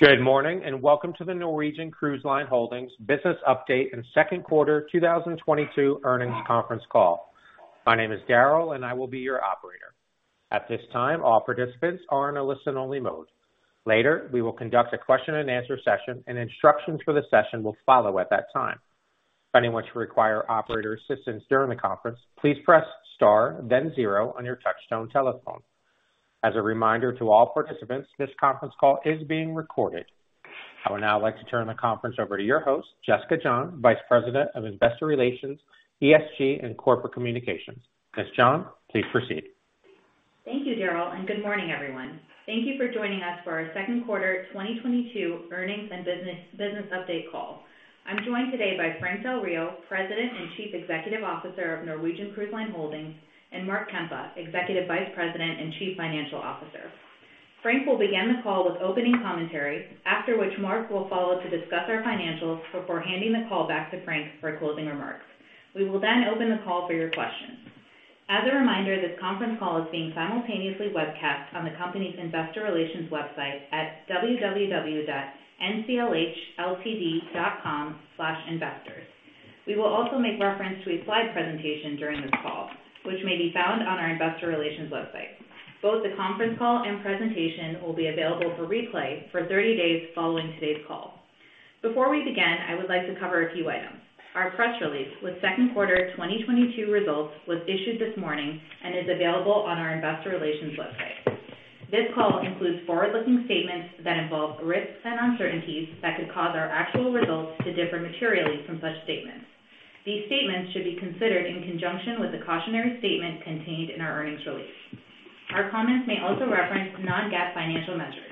Good morning, and welcome to the Norwegian Cruise Line Holdings business update and second quarter 2022 earnings conference call. My name is Daryl and I will be your operator. At this time, all participants are in a listen-only mode. Later, we will conduct a question-and-answer session, and instructions for the session will follow at that time. If anyone should require operator assistance during the conference, please press star then zero on your touchtone telephone. As a reminder to all participants, this conference call is being recorded. I would now like to turn the conference over to your host, Jessica John, Vice President of Investor Relations, ESG, and Corporate Communications. Miss John, please proceed. Thank you, Daryl, and good morning, everyone. Thank you for joining us for our second quarter 2022 earnings and business update call. I'm joined today by Frank Del Rio, President and Chief Executive Officer of Norwegian Cruise Line Holdings, and Mark Kempa, Executive Vice President and Chief Financial Officer. Frank will begin the call with opening commentary, after which Mark will follow to discuss our financials before handing the call back to Frank for closing remarks. We will then open the call for your questions. As a reminder, this conference call is being simultaneously webcast on the company's investor relations website at www.nclhltd.com/investors. We will also make reference to a slide presentation during this call, which may be found on our investor relations website. Both the conference call and presentation will be available for replay for 30 days following today's call. Before we begin, I would like to cover a few items. Our press release with second quarter 2022 results was issued this morning and is available on our investor relations website. This call includes forward-looking statements that involve risks and uncertainties that could cause our actual results to differ materially from such statements. These statements should be considered in conjunction with the cautionary statement contained in our earnings release. Our comments may also reference non-GAAP financial measures.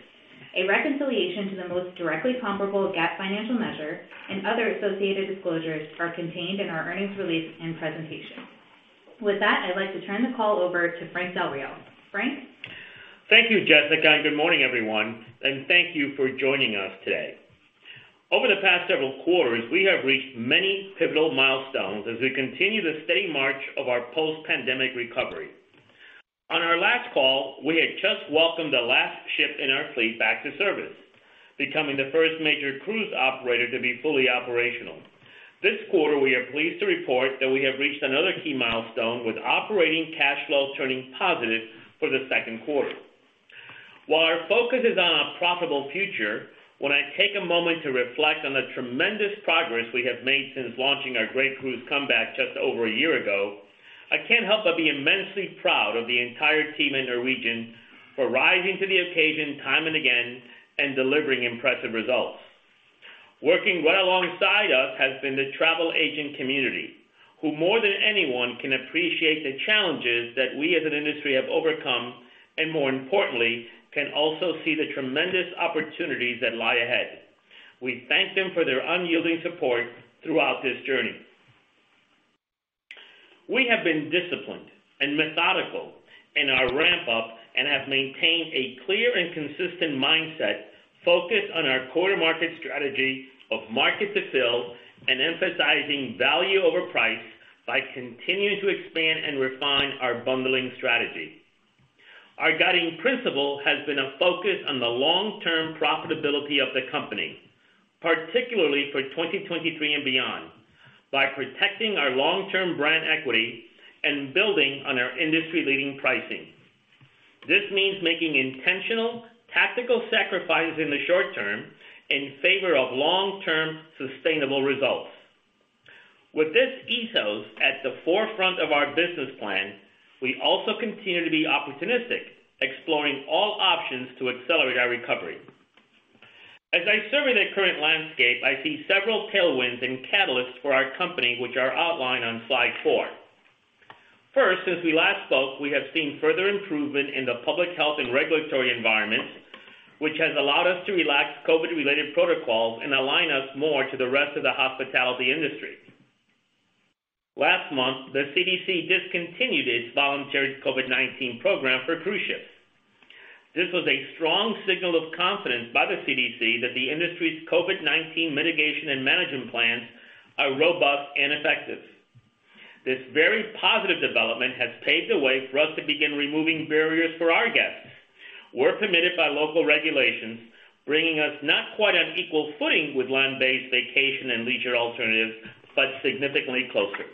A reconciliation to the most directly comparable GAAP financial measure and other associated disclosures are contained in our earnings release and presentation. With that, I'd like to turn the call over to Frank Del Rio. Frank? Thank you, Jessica, and good morning, everyone, and thank you for joining us today. Over the past several quarters, we have reached many pivotal milestones as we continue the steady march of our post-pandemic recovery. On our last call, we had just welcomed the last ship in our fleet back to service, becoming the first major cruise operator to be fully operational. This quarter, we are pleased to report that we have reached another key milestone with operating cash flows turning positive for the second quarter. While our focus is on a profitable future, when I take a moment to reflect on the tremendous progress we have made since launching our Great Cruise Comeback just over a year ago, I can't help but be immensely proud of the entire team at Norwegian for rising to the occasion time and again and delivering impressive results. Working right alongside us has been the travel agent community, who more than anyone can appreciate the challenges that we as an industry have overcome, and more importantly, can also see the tremendous opportunities that lie ahead. We thank them for their unyielding support throughout this journey. We have been disciplined and methodical in our ramp up and have maintained a clear and consistent mindset focused on our go-to-market strategy of market to fill and emphasizing value over price by continuing to expand and refine our bundling strategy. Our guiding principle has been a focus on the long-term profitability of the company, particularly for 2023 and beyond, by protecting our long-term brand equity and building on our industry-leading pricing. This means making intentional tactical sacrifices in the short term in favor of long-term sustainable results. With this ethos at the forefront of our business plan, we also continue to be opportunistic, exploring all options to accelerate our recovery. As I survey the current landscape, I see several tailwinds and catalysts for our company which are outlined on slide four. First, since we last spoke, we have seen further improvement in the public health and regulatory environment, which has allowed us to relax COVID-related protocols and align us more to the rest of the hospitality industry. Last month, the CDC discontinued its voluntary COVID-19 program for cruise ships. This was a strong signal of confidence by the CDC that the industry's COVID-19 mitigation and management plans are robust and effective. This very positive development has paved the way for us to begin removing barriers for our guests. We're permitted by local regulations, bringing us not quite on equal footing with land-based vacation and leisure alternatives, but significantly closer.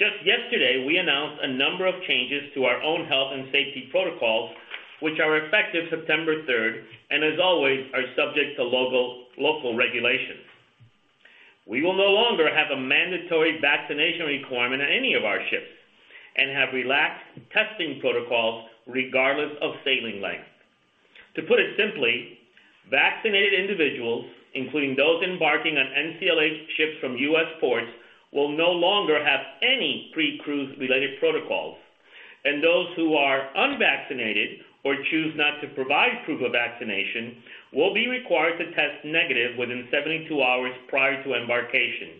Just yesterday, we announced a number of changes to our own health and safety protocols, which are effective September 3rd, and as always, are subject to local regulations. We will no longer have a mandatory vaccination requirement on any of our ships and have relaxed testing protocols regardless of sailing length. To put it simply, vaccinated individuals, including those embarking on NCLH ships from U.S. ports, will no longer have any pre-cruise related protocols, and those who are unvaccinated or choose not to provide proof of vaccination will be required to test negative within 72 hours prior to embarkation.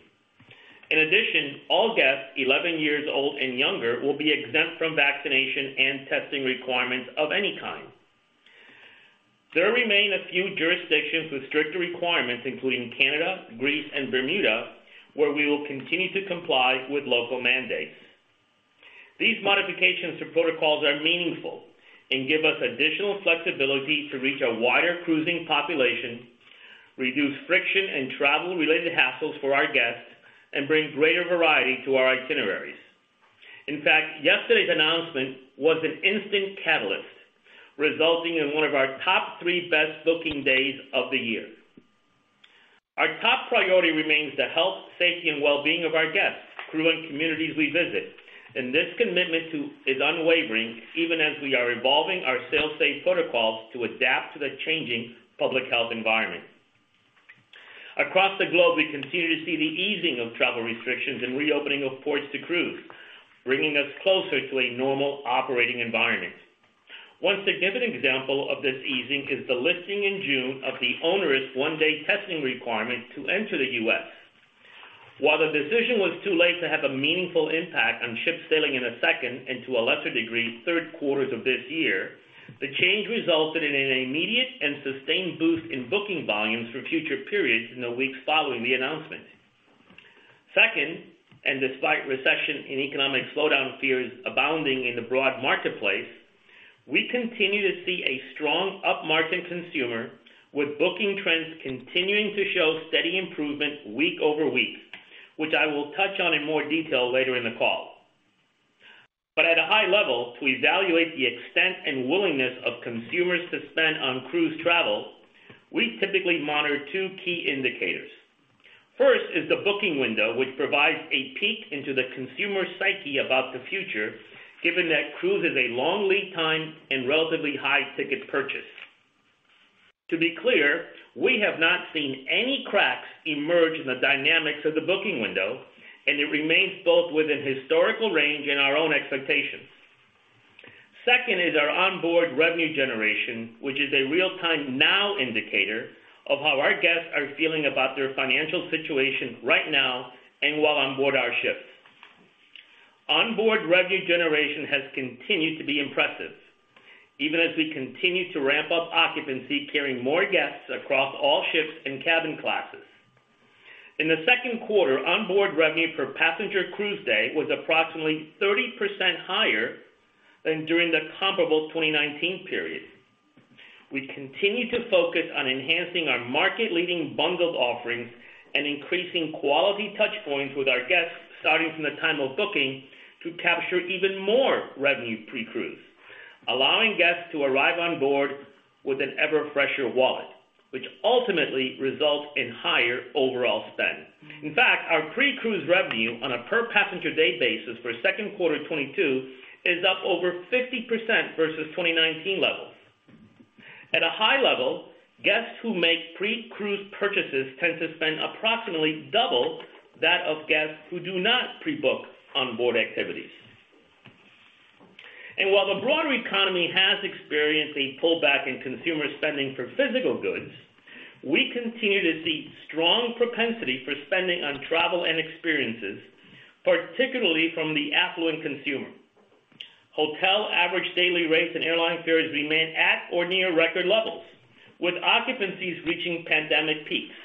In addition, all guests 11 years old and younger will be exempt from vaccination and testing requirements of any kind. There remain a few jurisdictions with stricter requirements, including Canada, Greece, and Bermuda, where we will continue to comply with local mandates. These modifications to protocols are meaningful and give us additional flexibility to reach a wider cruising population, reduce friction and travel-related hassles for our guests, and bring greater variety to our itineraries. In fact, yesterday's announcement was an instant catalyst, resulting in one of our top three best booking days of the year. Our top priority remains the health, safety, and well-being of our guests, crew, and communities we visit, and this commitment is unwavering even as we are evolving our SailSAFE protocols to adapt to the changing public health environment. Across the globe, we continue to see the easing of travel restrictions and reopening of ports to cruise, bringing us closer to a normal operating environment. One significant example of this easing is the lifting in June of the onerous one-day testing requirement to enter the U.S. While the decision was too late to have a meaningful impact on ships sailing in the second, and to a lesser degree, third quarters of this year, the change resulted in an immediate and sustained boost in booking volumes for future periods in the weeks following the announcement. Second, and despite recession and economic slowdown fears abounding in the broad marketplace, we continue to see a strong upmarket consumer, with booking trends continuing to show steady improvement week-over-week, which I will touch on in more detail later in the call. At a high level, to evaluate the extent and willingness of consumers to spend on cruise travel, we typically monitor two key indicators. First is the booking window, which provides a peek into the consumer psyche about the future, given that cruise is a long lead time and relatively high ticket purchase. To be clear, we have not seen any cracks emerge in the dynamics of the booking window, and it remains both within historical range and our own expectations. Second is our onboard revenue generation, which is a real-time now indicator of how our guests are feeling about their financial situation right now and while on board our ships. Onboard revenue generation has continued to be impressive, even as we continue to ramp up occupancy, carrying more guests across all ships and cabin classes. In the second quarter, onboard revenue per passenger cruise day was approximately 30% higher than during the comparable 2019 period. We continue to focus on enhancing our market-leading bundled offerings and increasing quality touch points with our guests, starting from the time of booking to capture even more revenue pre-cruise, allowing guests to arrive on board with an ever-fresher wallet, which ultimately results in higher overall spend. In fact, our pre-cruise revenue on a per passenger day basis for Q2 2022 is up over 50% versus 2019 levels. At a high level, guests who make pre-cruise purchases tend to spend approximately double that of guests who do not pre-book onboard activities. While the broader economy has experienced a pullback in consumer spending for physical goods, we continue to see strong propensity for spending on travel and experiences, particularly from the affluent consumer. Hotel average daily rates and airline fares remain at or near record levels, with occupancies reaching pandemic peaks.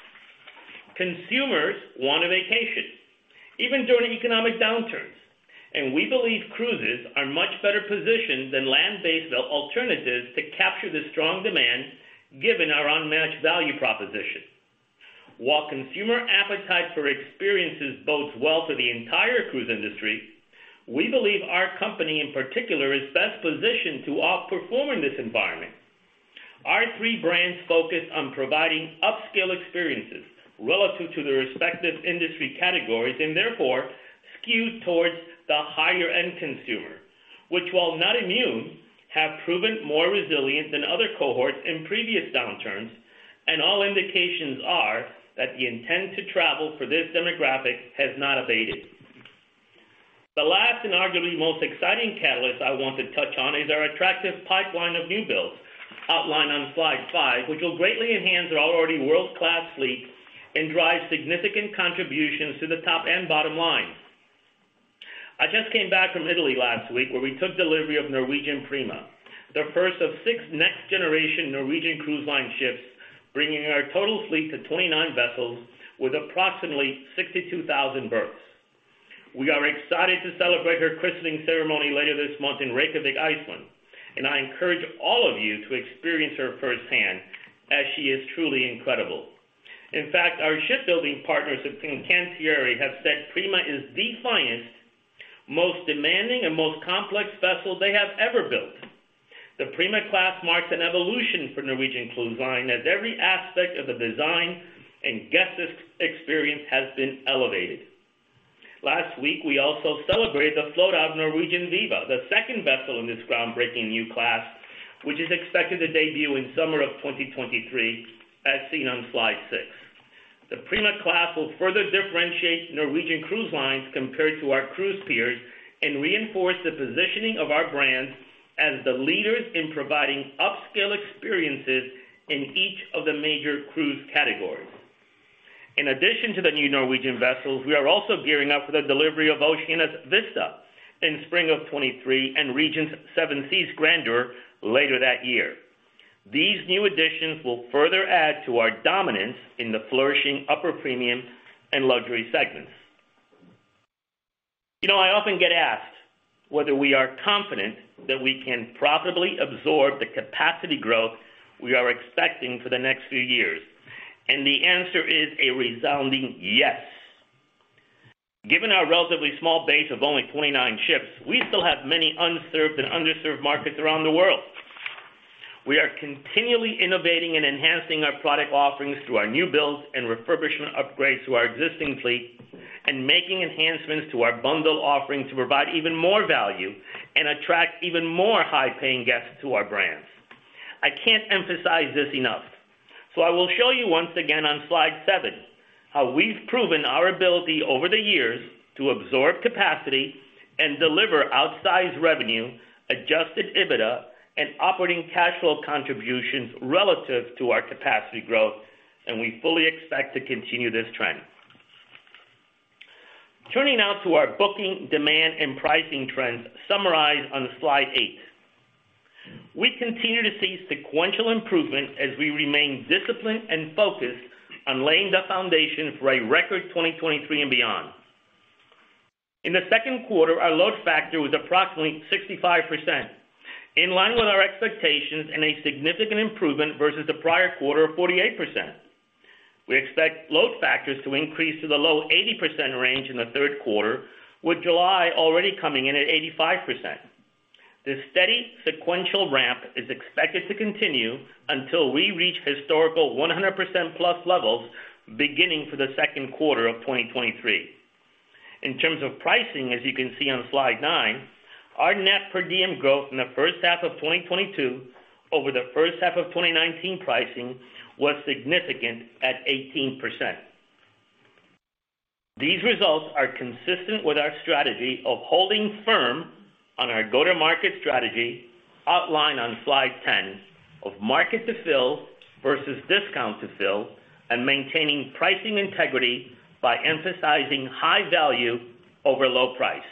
Consumers want a vacation, even during economic downturns, and we believe cruises are much better positioned than land-based alternatives to capture the strong demand given our unmatched value proposition. While consumer appetite for experiences bodes well for the entire cruise industry, we believe our company in particular is best positioned to outperform in this environment. Our three brands focus on providing upscale experiences relative to their respective industry categories and therefore skew towards the higher-end consumer, which while not immune, have proven more resilient than other cohorts in previous downturns, and all indications are that the intent to travel for this demographic has not abated. The last and arguably most exciting catalyst I want to touch on is our attractive pipeline of new builds outlined on slide five, which will greatly enhance our already world-class fleet and drive significant contributions to the top and bottom line. I just came back from Italy last week where we took delivery of Norwegian Prima, the first of six next-generation Norwegian Cruise Line ships, bringing our total fleet to 29 vessels with approximately 62,000 berths. We are excited to celebrate her christening ceremony later this month in Reykjavík, Iceland, and I encourage all of you to experience her firsthand as she is truly incredible. In fact, our shipbuilding partners at Fincantieri have said Prima is the finest, most demanding, and most complex vessel they have ever built. The Prima Class marks an evolution for Norwegian Cruise Line as every aspect of the design and guest experience has been elevated. Last week, we also celebrated the float out of Norwegian Viva, the second vessel in this groundbreaking new class, which is expected to debut in summer of 2023 as seen on slide six. The Prima Class will further differentiate Norwegian Cruise Line compared to our cruise peers and reinforce the positioning of our brands as the leaders in providing upscale experiences in each of the major cruise categories. In addition to the new Norwegian vessels, we are also gearing up for the delivery of Oceania's Vista in spring of 2023 and Regent's Seven Seas Grandeur later that year. These new additions will further add to our dominance in the flourishing upper premium and luxury segments. You know, I often get asked whether we are confident that we can profitably absorb the capacity growth we are expecting for the next few years, and the answer is a resounding yes. Given our relatively small base of only 29 ships, we still have many unserved and underserved markets around the world. We are continually innovating and enhancing our product offerings through our new builds and refurbishment upgrades to our existing fleet and making enhancements to our bundle offerings to provide even more value and attract even more high-paying guests to our brands. I can't emphasize this enough, so I will show you once again on slide seven how we've proven our ability over the years to absorb capacity and deliver outsized revenue, adjusted EBITDA, and operating cash flow contributions relative to our capacity growth, and we fully expect to continue this trend. Turning now to our booking demand and pricing trends summarized on slide eight. We continue to see sequential improvement as we remain disciplined and focused on laying the foundation for a record 2023 and beyond. In the second quarter, our load factor was approximately 65%, in line with our expectations and a significant improvement versus the prior quarter of 48%. We expect load factors to increase to the low 80% range in the third quarter, with July already coming in at 85%. This steady sequential ramp is expected to continue until we reach historical 100%+ levels beginning for the second quarter of 2023. In terms of pricing, as you can see on slide nine, our net per diem growth in the first half of 2022 over the first half of 2019 pricing was significant at 18%. These results are consistent with our strategy of holding firm on our go-to-market strategy outlined on slide 10 of market to fill versus discount to fill, and maintaining pricing integrity by emphasizing high value over low price.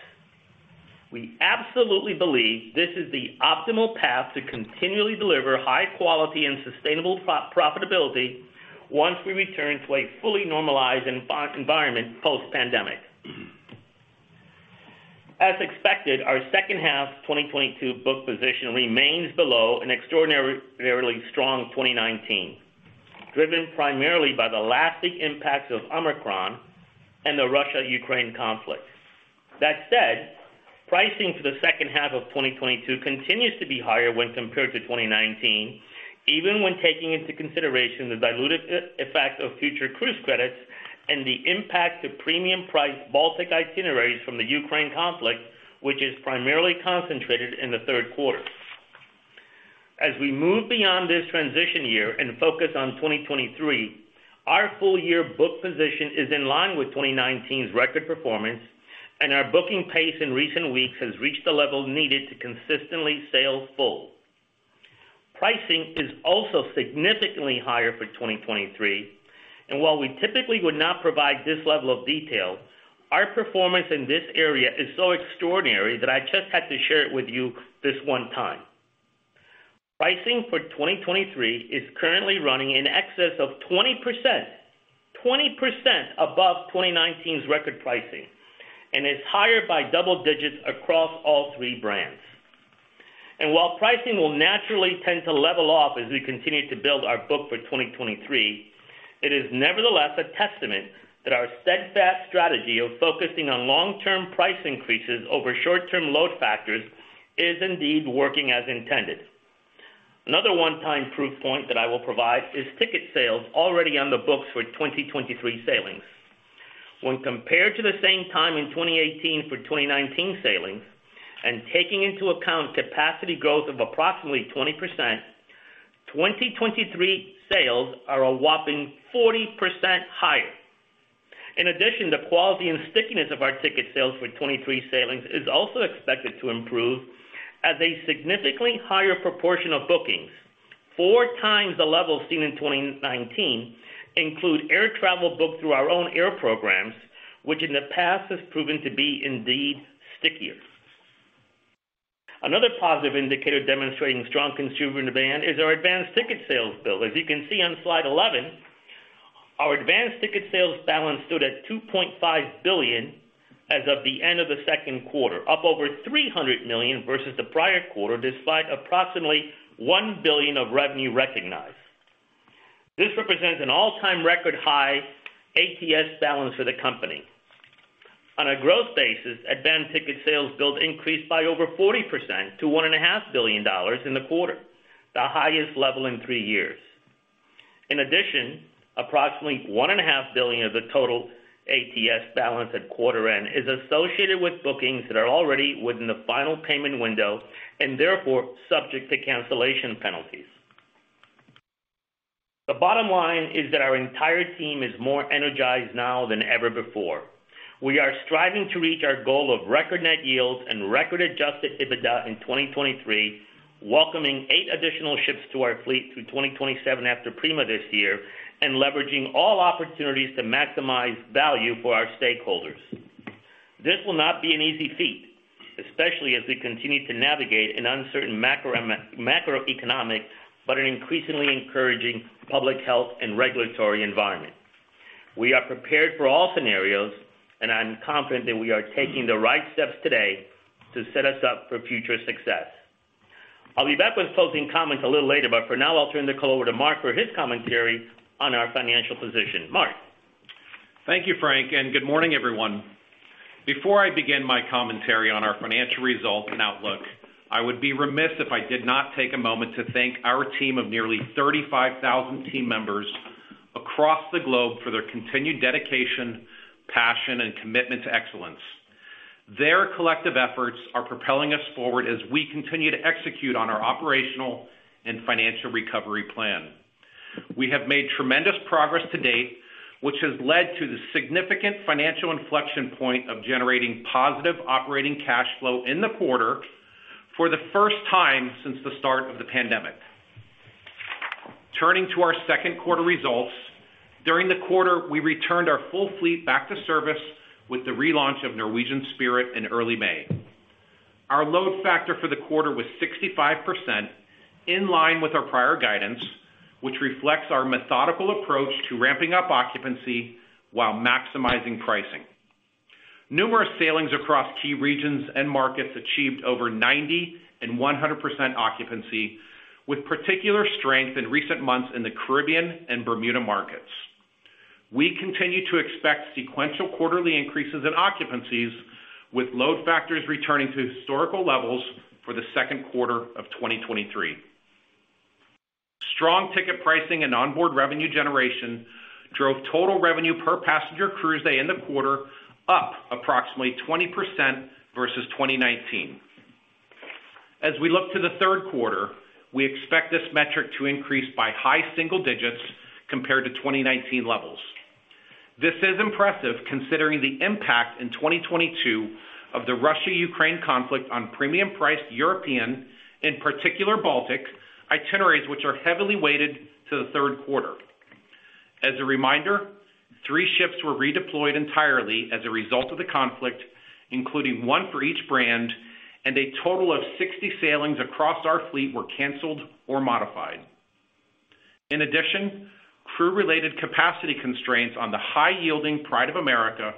We absolutely believe this is the optimal path to continually deliver high quality and sustainable true profitability once we return to a fully normalized environment post-pandemic. As expected, our second half 2022 book position remains below an extraordinarily strong 2019, driven primarily by the lasting impacts of Omicron and the Russia-Ukraine conflict. That said, pricing for the second half of 2022 continues to be higher when compared to 2019, even when taking into consideration the dilutive effects of future cruise credits and the impact to premium-priced Baltic itineraries from the Ukraine conflict, which is primarily concentrated in the third quarter. As we move beyond this transition year and focus on 2023, our full-year book position is in line with 2019's record performance, and our booking pace in recent weeks has reached the level needed to consistently sail full. Pricing is also significantly higher for 2023, and while we typically would not provide this level of detail, our performance in this area is so extraordinary that I just had to share it with you this one time. Pricing for 2023 is currently running in excess of 20%, 20% above 2019's record pricing and is higher by double digits across all three brands. While pricing will naturally tend to level off as we continue to build our book for 2023, it is nevertheless a testament that our steadfast strategy of focusing on long-term price increases over short-term load factors is indeed working as intended. Another one-time proof point that I will provide is ticket sales already on the books for 2023 sailings. When compared to the same time in 2018 for 2019 sailings, and taking into account capacity growth of approximately 20%, 2023 sales are a whopping 40% higher. In addition, the quality and stickiness of our ticket sales for 2023 sailings is also expected to improve as a significantly higher proportion of bookings, 4x the level seen in 2019, include air travel booked through our own air programs, which in the past has proven to be indeed stickier. Another positive indicator demonstrating strong consumer demand is our advance ticket sales build. As you can see on slide 11, our advance ticket sales balance stood at $2.5 billion as of the end of the second quarter, up over $300 million versus the prior quarter, despite approximately $1 billion of revenue recognized. This represents an all-time record high ATS balance for the company. On a growth basis, advance ticket sales build increased by over 40% to $1.5 billion in the quarter, the highest level in three years. In addition, approximately $1.5 billion of the total ATS balance at quarter end is associated with bookings that are already within the final payment window and therefore subject to cancellation penalties. The bottom line is that our entire team is more energized now than ever before. We are striving to reach our goal of record net yields and record adjusted EBITDA in 2023, welcoming eight additional ships to our fleet through 2027 after Prima this year, and leveraging all opportunities to maximize value for our stakeholders. This will not be an easy feat, especially as we continue to navigate an uncertain macroeconomic, but an increasingly encouraging public health and regulatory environment. We are prepared for all scenarios, and I'm confident that we are taking the right steps today to set us up for future success. I'll be back with closing comments a little later, but for now I'll turn the call over to Mark for his commentary on our financial position. Mark. Thank you, Frank, and good morning, everyone. Before I begin my commentary on our financial results and outlook, I would be remiss if I did not take a moment to thank our team of nearly 35,000 team members across the globe for their continued dedication, passion, and commitment to excellence. Their collective efforts are propelling us forward as we continue to execute on our operational and financial recovery plan. We have made tremendous progress to date, which has led to the significant financial inflection point of generating positive operating cash flow in the quarter for the first time since the start of the pandemic. Turning to our second quarter results, during the quarter, we returned our full fleet back to service with the relaunch of Norwegian Spirit in early May. Our load factor for the quarter was 65% in line with our prior guidance, which reflects our methodical approach to ramping up occupancy while maximizing pricing. Numerous sailings across key regions and markets achieved over 90% and 100% occupancy, with particular strength in recent months in the Caribbean and Bermuda markets. We continue to expect sequential quarterly increases in occupancies, with load factors returning to historical levels for the second quarter of 2023. Strong ticket pricing and onboard revenue generation drove total revenue per passenger cruise day in the quarter up approximately 20% versus 2019. As we look to the third quarter, we expect this metric to increase by high single digits compared to 2019 levels. This is impressive considering the impact in 2022 of the Russia-Ukraine conflict on premium priced European, in particular Baltic itineraries, which are heavily weighted to the third quarter. As a reminder, three ships were redeployed entirely as a result of the conflict, including one for each brand, and a total of 60 sailings across our fleet were canceled or modified. In addition, crew-related capacity constraints on the high-yielding Pride of America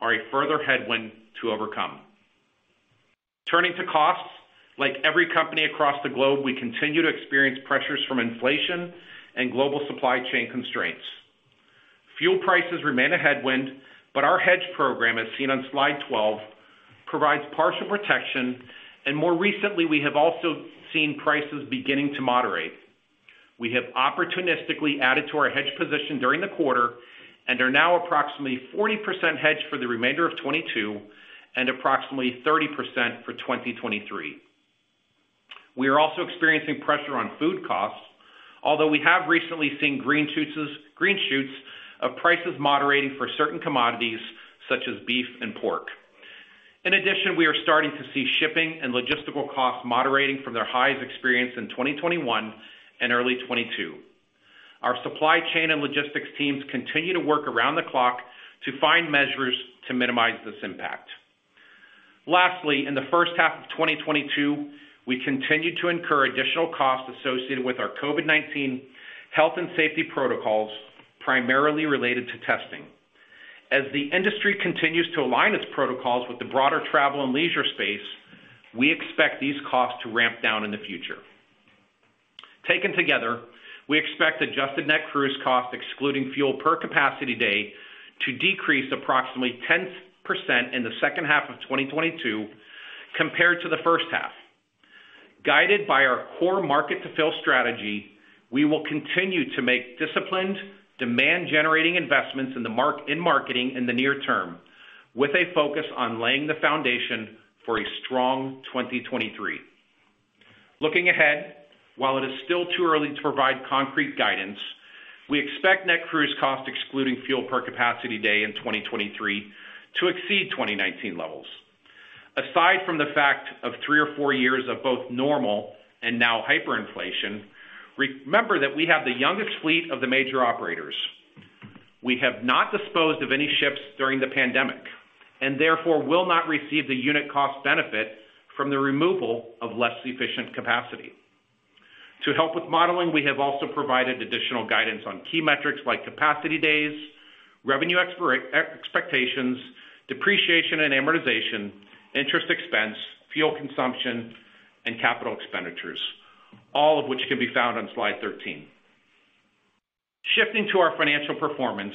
are a further headwind to overcome. Turning to costs, like every company across the globe, we continue to experience pressures from inflation and global supply chain constraints. Fuel prices remain a headwind, but our hedge program, as seen on slide 12, provides partial protection, and more recently, we have also seen prices beginning to moderate. We have opportunistically added to our hedge position during the quarter and are now approximately 40% hedged for the remainder of 2022 and approximately 30% for 2023. We are also experiencing pressure on food costs, although we have recently seen green shoots of prices moderating for certain commodities such as beef and pork. In addition, we are starting to see shipping and logistical costs moderating from their highs experienced in 2021 and early 2022. Our supply chain and logistics teams continue to work around the clock to find measures to minimize this impact. Lastly, in the first half of 2022, we continued to incur additional costs associated with our COVID-19 health and safety protocols, primarily related to testing. As the industry continues to align its protocols with the broader travel and leisure space, we expect these costs to ramp down in the future. Taken together, we expect adjusted net cruise cost excluding fuel per capacity day to decrease approximately 10% in the second half of 2022 compared to the first half. Guided by our core market-to-fill strategy, we will continue to make disciplined demand-generating investments in marketing in the near term, with a focus on laying the foundation for a strong 2023. Looking ahead, while it is still too early to provide concrete guidance, we expect net cruise cost excluding fuel per capacity day in 2023 to exceed 2019 levels. Aside from the fact of three or four years of both normal and now hyperinflation, remember that we have the youngest fleet of the major operators. We have not disposed of any ships during the pandemic, and therefore will not receive the unit cost benefit from the removal of less efficient capacity. To help with modeling, we have also provided additional guidance on key metrics like Capacity Days, revenue expectations, depreciation and amortization, interest expense, fuel consumption, and capital expenditures, all of which can be found on slide 13. Shifting to our financial performance,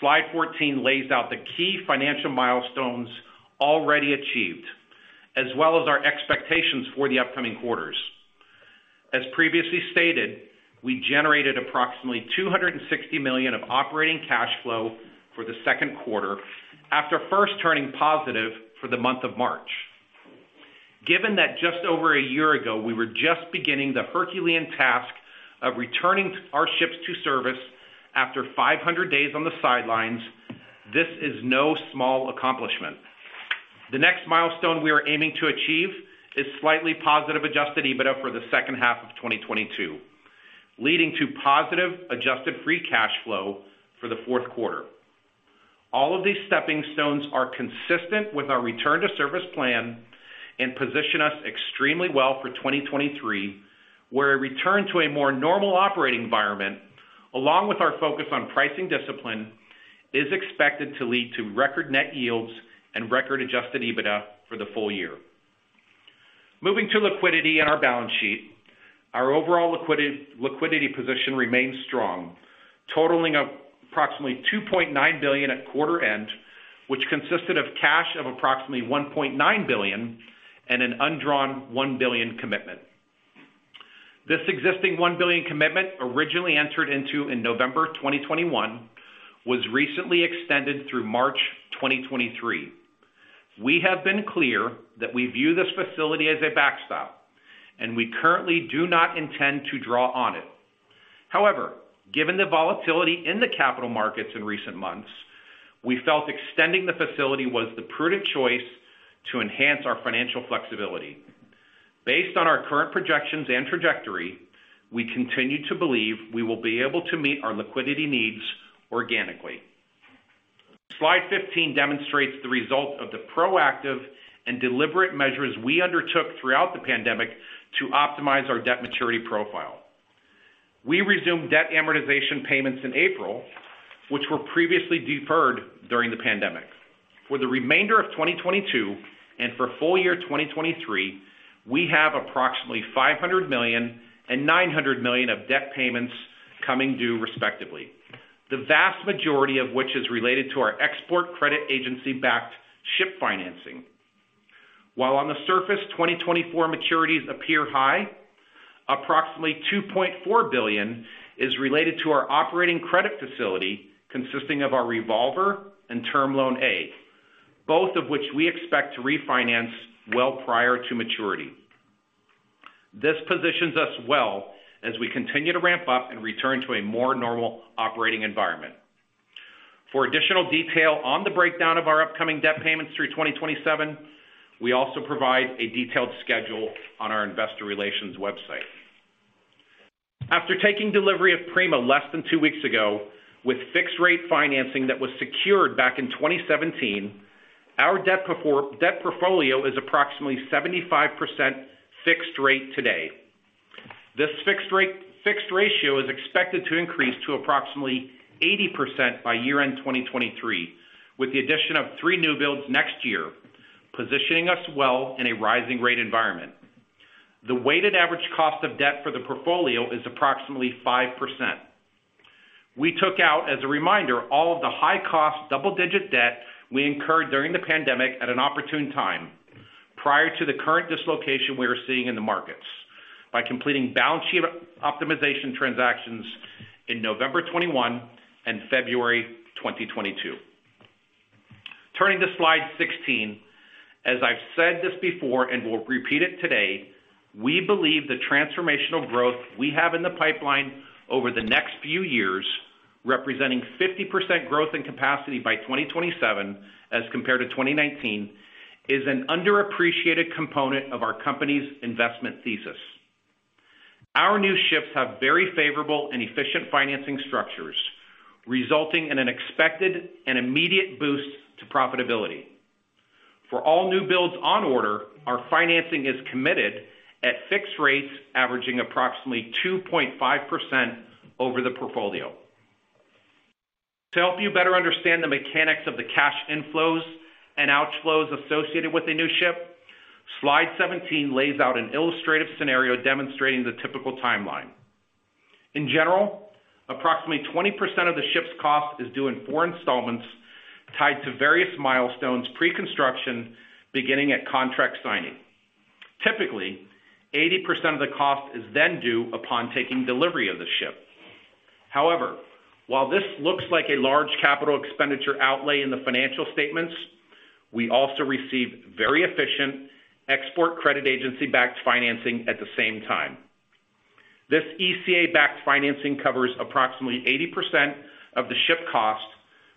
slide 14 lays out the key financial milestones already achieved, as well as our expectations for the upcoming quarters. As previously stated, we generated approximately $260 million of operating cash flow for the second quarter after first turning positive for the month of March. Given that just over a year ago, we were just beginning the Herculean task of returning our ships to service after 500 days on the sidelines, this is no small accomplishment. The next milestone we are aiming to achieve is slightly positive adjusted EBITDA for the second half of 2022. Leading to positive adjusted free cash flow for the fourth quarter. All of these stepping stones are consistent with our return to service plan and position us extremely well for 2023, where a return to a more normal operating environment, along with our focus on pricing discipline, is expected to lead to record net yields and record adjusted EBITDA for the full year. Moving to liquidity and our balance sheet. Our overall liquidity position remains strong, totaling approximately $2.9 billion at quarter end, which consisted of cash of approximately $1.9 billion and an undrawn $1 billion commitment. This existing $1 billion commitment, originally entered into in November 2021, was recently extended through March 2023. We have been clear that we view this facility as a backstop, and we currently do not intend to draw on it. However, given the volatility in the capital markets in recent months, we felt extending the facility was the prudent choice to enhance our financial flexibility. Based on our current projections and trajectory, we continue to believe we will be able to meet our liquidity needs organically. Slide 15 demonstrates the result of the proactive and deliberate measures we undertook throughout the pandemic to optimize our debt maturity profile. We resumed debt amortization payments in April, which were previously deferred during the pandemic. For the remainder of 2022 and for full year 2023, we have approximately $500 million and $900 million of debt payments coming due respectively, the vast majority of which is related to our Export Credit Agency-backed ship financing. While on the surface, 2024 maturities appear high, approximately $2.4 billion is related to our operating credit facility consisting of our revolver and term loan A, both of which we expect to refinance well prior to maturity. This positions us well as we continue to ramp up and return to a more normal operating environment. For additional detail on the breakdown of our upcoming debt payments through 2027, we also provide a detailed schedule on our investor relations website. After taking delivery of Prima less than two weeks ago with fixed rate financing that was secured back in 2017, our debt portfolio is approximately 75% fixed rate today. This fixed ratio is expected to increase to approximately 80% by year-end 2023, with the addition of three new builds next year, positioning us well in a rising rate environment. The weighted average cost of debt for the portfolio is approximately 5%. We took out, as a reminder, all of the high-cost double-digit debt we incurred during the pandemic at an opportune time, prior to the current dislocation we are seeing in the markets, by completing balance sheet optimization transactions in November 2021 and February 2022. Turning to slide 16. As I've said this before and will repeat it today, we believe the transformational growth we have in the pipeline over the next few years, representing 50% growth in capacity by 2027 as compared to 2019, is an underappreciated component of our company's investment thesis. Our new ships have very favorable and efficient financing structures, resulting in an expected and immediate boost to profitability. For all new builds on order, our financing is committed at fixed rates averaging approximately 2.5% over the portfolio. To help you better understand the mechanics of the cash inflows and outflows associated with a new ship, slide 17 lays out an illustrative scenario demonstrating the typical timeline. In general, approximately 20% of the ship's cost is due in four installments tied to various milestones pre-construction, beginning at contract signing. Typically, 80% of the cost is then due upon taking delivery of the ship. However, while this looks like a large capital expenditure outlay in the financial statements, we also receive very efficient Export Credit Agency-backed financing at the same time. This ECA-backed financing covers approximately 80% of the ship cost,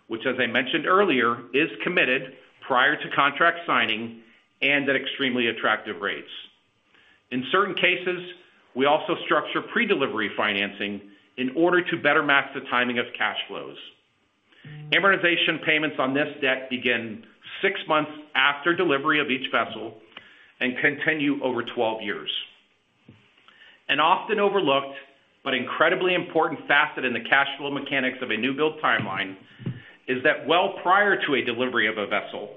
which as I mentioned earlier, is committed prior to contract signing and at extremely attractive rates. In certain cases, we also structure predelivery financing in order to better match the timing of cash flows. Amortization payments on this debt begin six months after delivery of each vessel and continue over 12 years. An often overlooked but incredibly important facet in the cash flow mechanics of a new-build timeline is that well prior to a delivery of a vessel,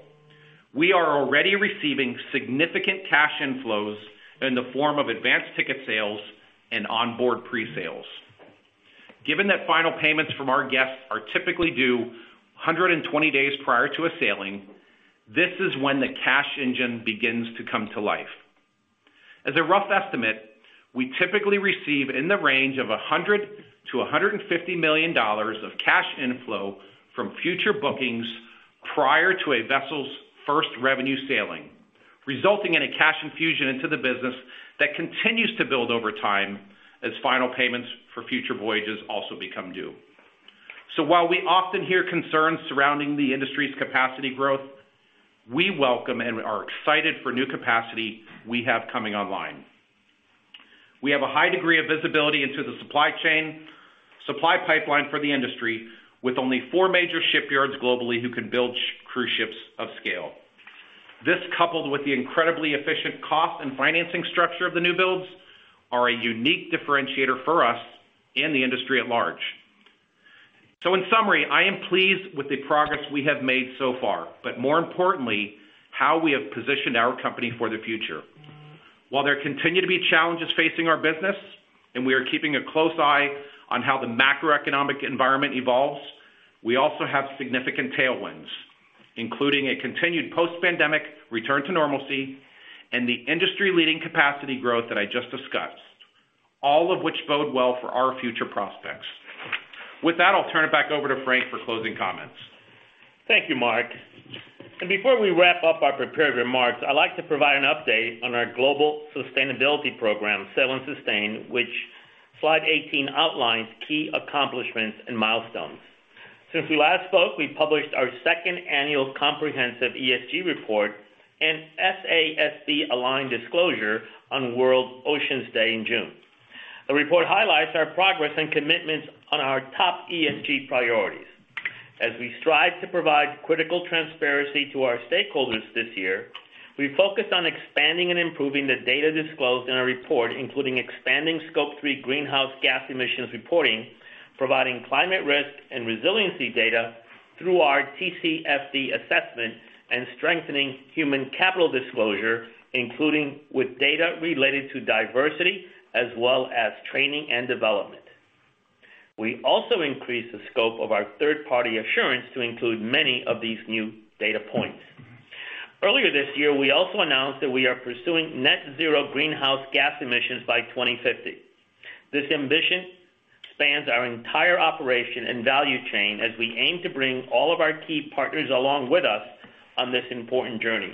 we are already receiving significant cash inflows in the form of advance ticket sales and onboard presales. Given that final payments from our guests are typically due 120 days prior to a sailing, this is when the cash engine begins to come to life. As a rough estimate, we typically receive in the range of $100 million-$150 million of cash inflow from future bookings prior to a vessel's first revenue sailing, resulting in a cash infusion into the business that continues to build over time as final payments for future voyages also become due. While we often hear concerns surrounding the industry's capacity growth, we welcome and are excited for new capacity we have coming online. We have a high degree of visibility into the supply chain, supply pipeline for the industry with only four major shipyards globally who can build cruise ships of scale. This, coupled with the incredibly efficient cost and financing structure of the new builds, are a unique differentiator for us and the industry at large. In summary, I am pleased with the progress we have made so far, but more importantly, how we have positioned our company for the future. While there continue to be challenges facing our business, and we are keeping a close eye on how the macroeconomic environment evolves, we also have significant tailwinds, including a continued post-pandemic return to normalcy and the industry-leading capacity growth that I just discussed, all of which bode well for our future prospects. With that, I'll turn it back over to Frank for closing comments. Thank you, Mark. Before we wrap up our prepared remarks, I'd like to provide an update on our global sustainability program, Sail & Sustain, which slide 18 outlines key accomplishments and milestones. Since we last spoke, we published our second annual comprehensive ESG report and SASB-aligned disclosure on World Oceans Day in June. The report highlights our progress and commitments on our top ESG priorities. As we strive to provide critical transparency to our stakeholders this year, we focused on expanding and improving the data disclosed in our report, including expanding Scope 3 greenhouse gas emissions reporting, providing climate risk and resiliency data through our TCFD assessment, and strengthening human capital disclosure, including with data related to diversity as well as training and development. We also increased the scope of our third-party assurance to include many of these new data points. Earlier this year, we also announced that we are pursuing net zero greenhouse gas emissions by 2050. This ambition spans our entire operation and value chain as we aim to bring all of our key partners along with us on this important journey.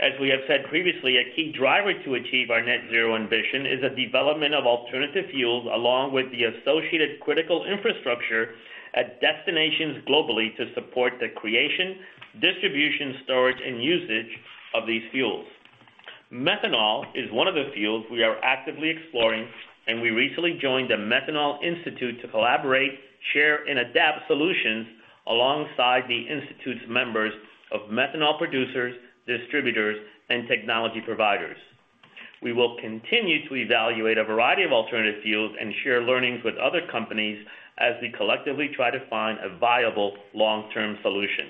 As we have said previously, a key driver to achieve our net zero ambition is the development of alternative fuels along with the associated critical infrastructure at destinations globally to support the creation, distribution, storage, and usage of these fuels. Methanol is one of the fuels we are actively exploring, and we recently joined the Methanol Institute to collaborate, share, and adapt solutions alongside the institute's members of methanol producers, distributors, and technology providers. We will continue to evaluate a variety of alternative fuels and share learnings with other companies as we collectively try to find a viable long-term solution.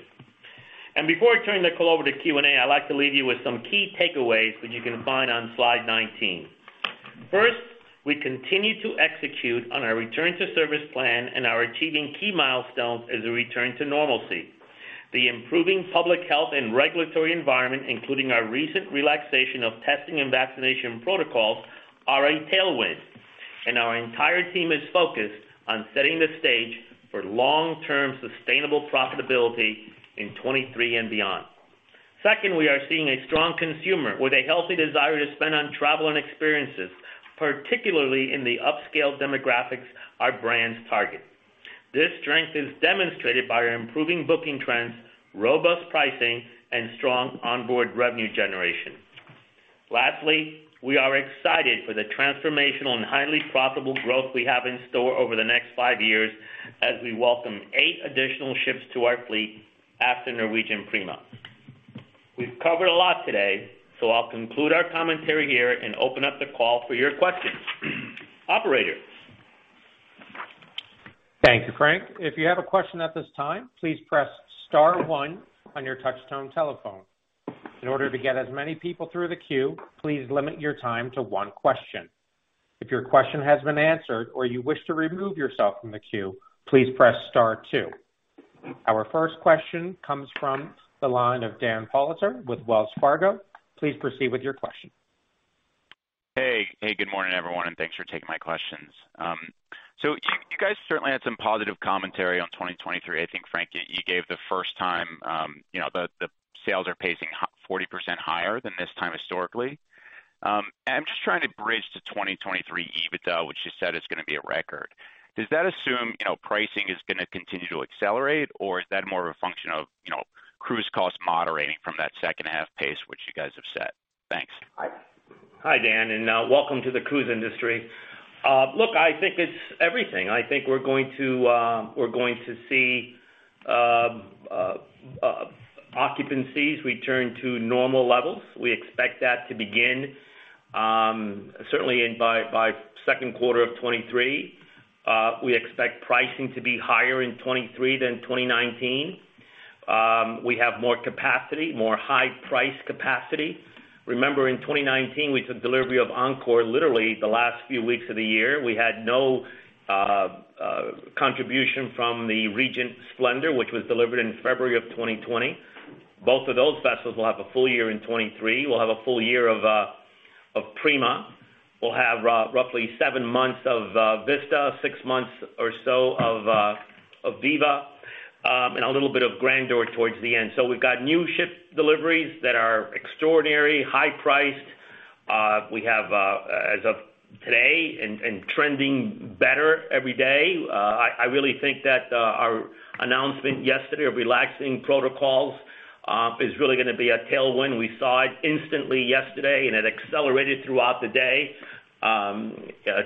Before I turn the call over to Q&A, I'd like to leave you with some key takeaways that you can find on slide 19. First, we continue to execute on our return to service plan and are achieving key milestones as we return to normalcy. The improving public health and regulatory environment, including our recent relaxation of testing and vaccination protocols, are a tailwind, and our entire team is focused on setting the stage for long-term sustainable profitability in 2023 and beyond. Second, we are seeing a strong consumer with a healthy desire to spend on travel and experiences, particularly in the upscale demographics our brands target. This strength is demonstrated by our improving booking trends, robust pricing, and strong onboard revenue generation. Lastly, we are excited for the transformational and highly profitable growth we have in store over the next five years as we welcome eight additional ships to our fleet after Norwegian Prima. We've covered a lot today, so I'll conclude our commentary here and open up the call for your questions. Operator? Thank you, Frank. If you have a question at this time, please press star one on your touchtone telephone. In order to get as many people through the queue, please limit your time to one question. If your question has been answered or you wish to remove yourself from the queue, please press star two. Our first question comes from the line of Dan Politzer with Wells Fargo. Please proceed with your question. Hey. Good morning, everyone, and thanks for taking my questions. You guys certainly had some positive commentary on 2023. I think, Frank, you gave the first time the sales are pacing 40% higher than this time historically. I'm just trying to bridge to 2023 EBITDA, which you said is gonna be a record. Does that assume pricing is gonna continue to accelerate, or is that more of a function of cruise costs moderating from that second half pace which you guys have set? Thanks. Hi, Dan, and welcome to the cruise industry. Look, I think it's everything. I think we're going to see occupancies return to normal levels. We expect that to begin certainly by second quarter of 2023. We expect pricing to be higher in 2023 than 2019. We have more capacity, more high-priced capacity. Remember, in 2019, we took delivery of Encore literally the last few weeks of the year. We had no contribution from the Regent Splendor, which was delivered in February of 2020. Both of those vessels will have a full year in 2023. We'll have a full year of Prima. We'll have roughly seven months of Vista, six months or so of Viva, and a little bit of Grandeur towards the end. We've got new ship deliveries that are extraordinary, high-priced. We have, as of today and trending better every day. I really think that our announcement yesterday of relaxing protocols is really gonna be a tailwind. We saw it instantly yesterday, and it accelerated throughout the day.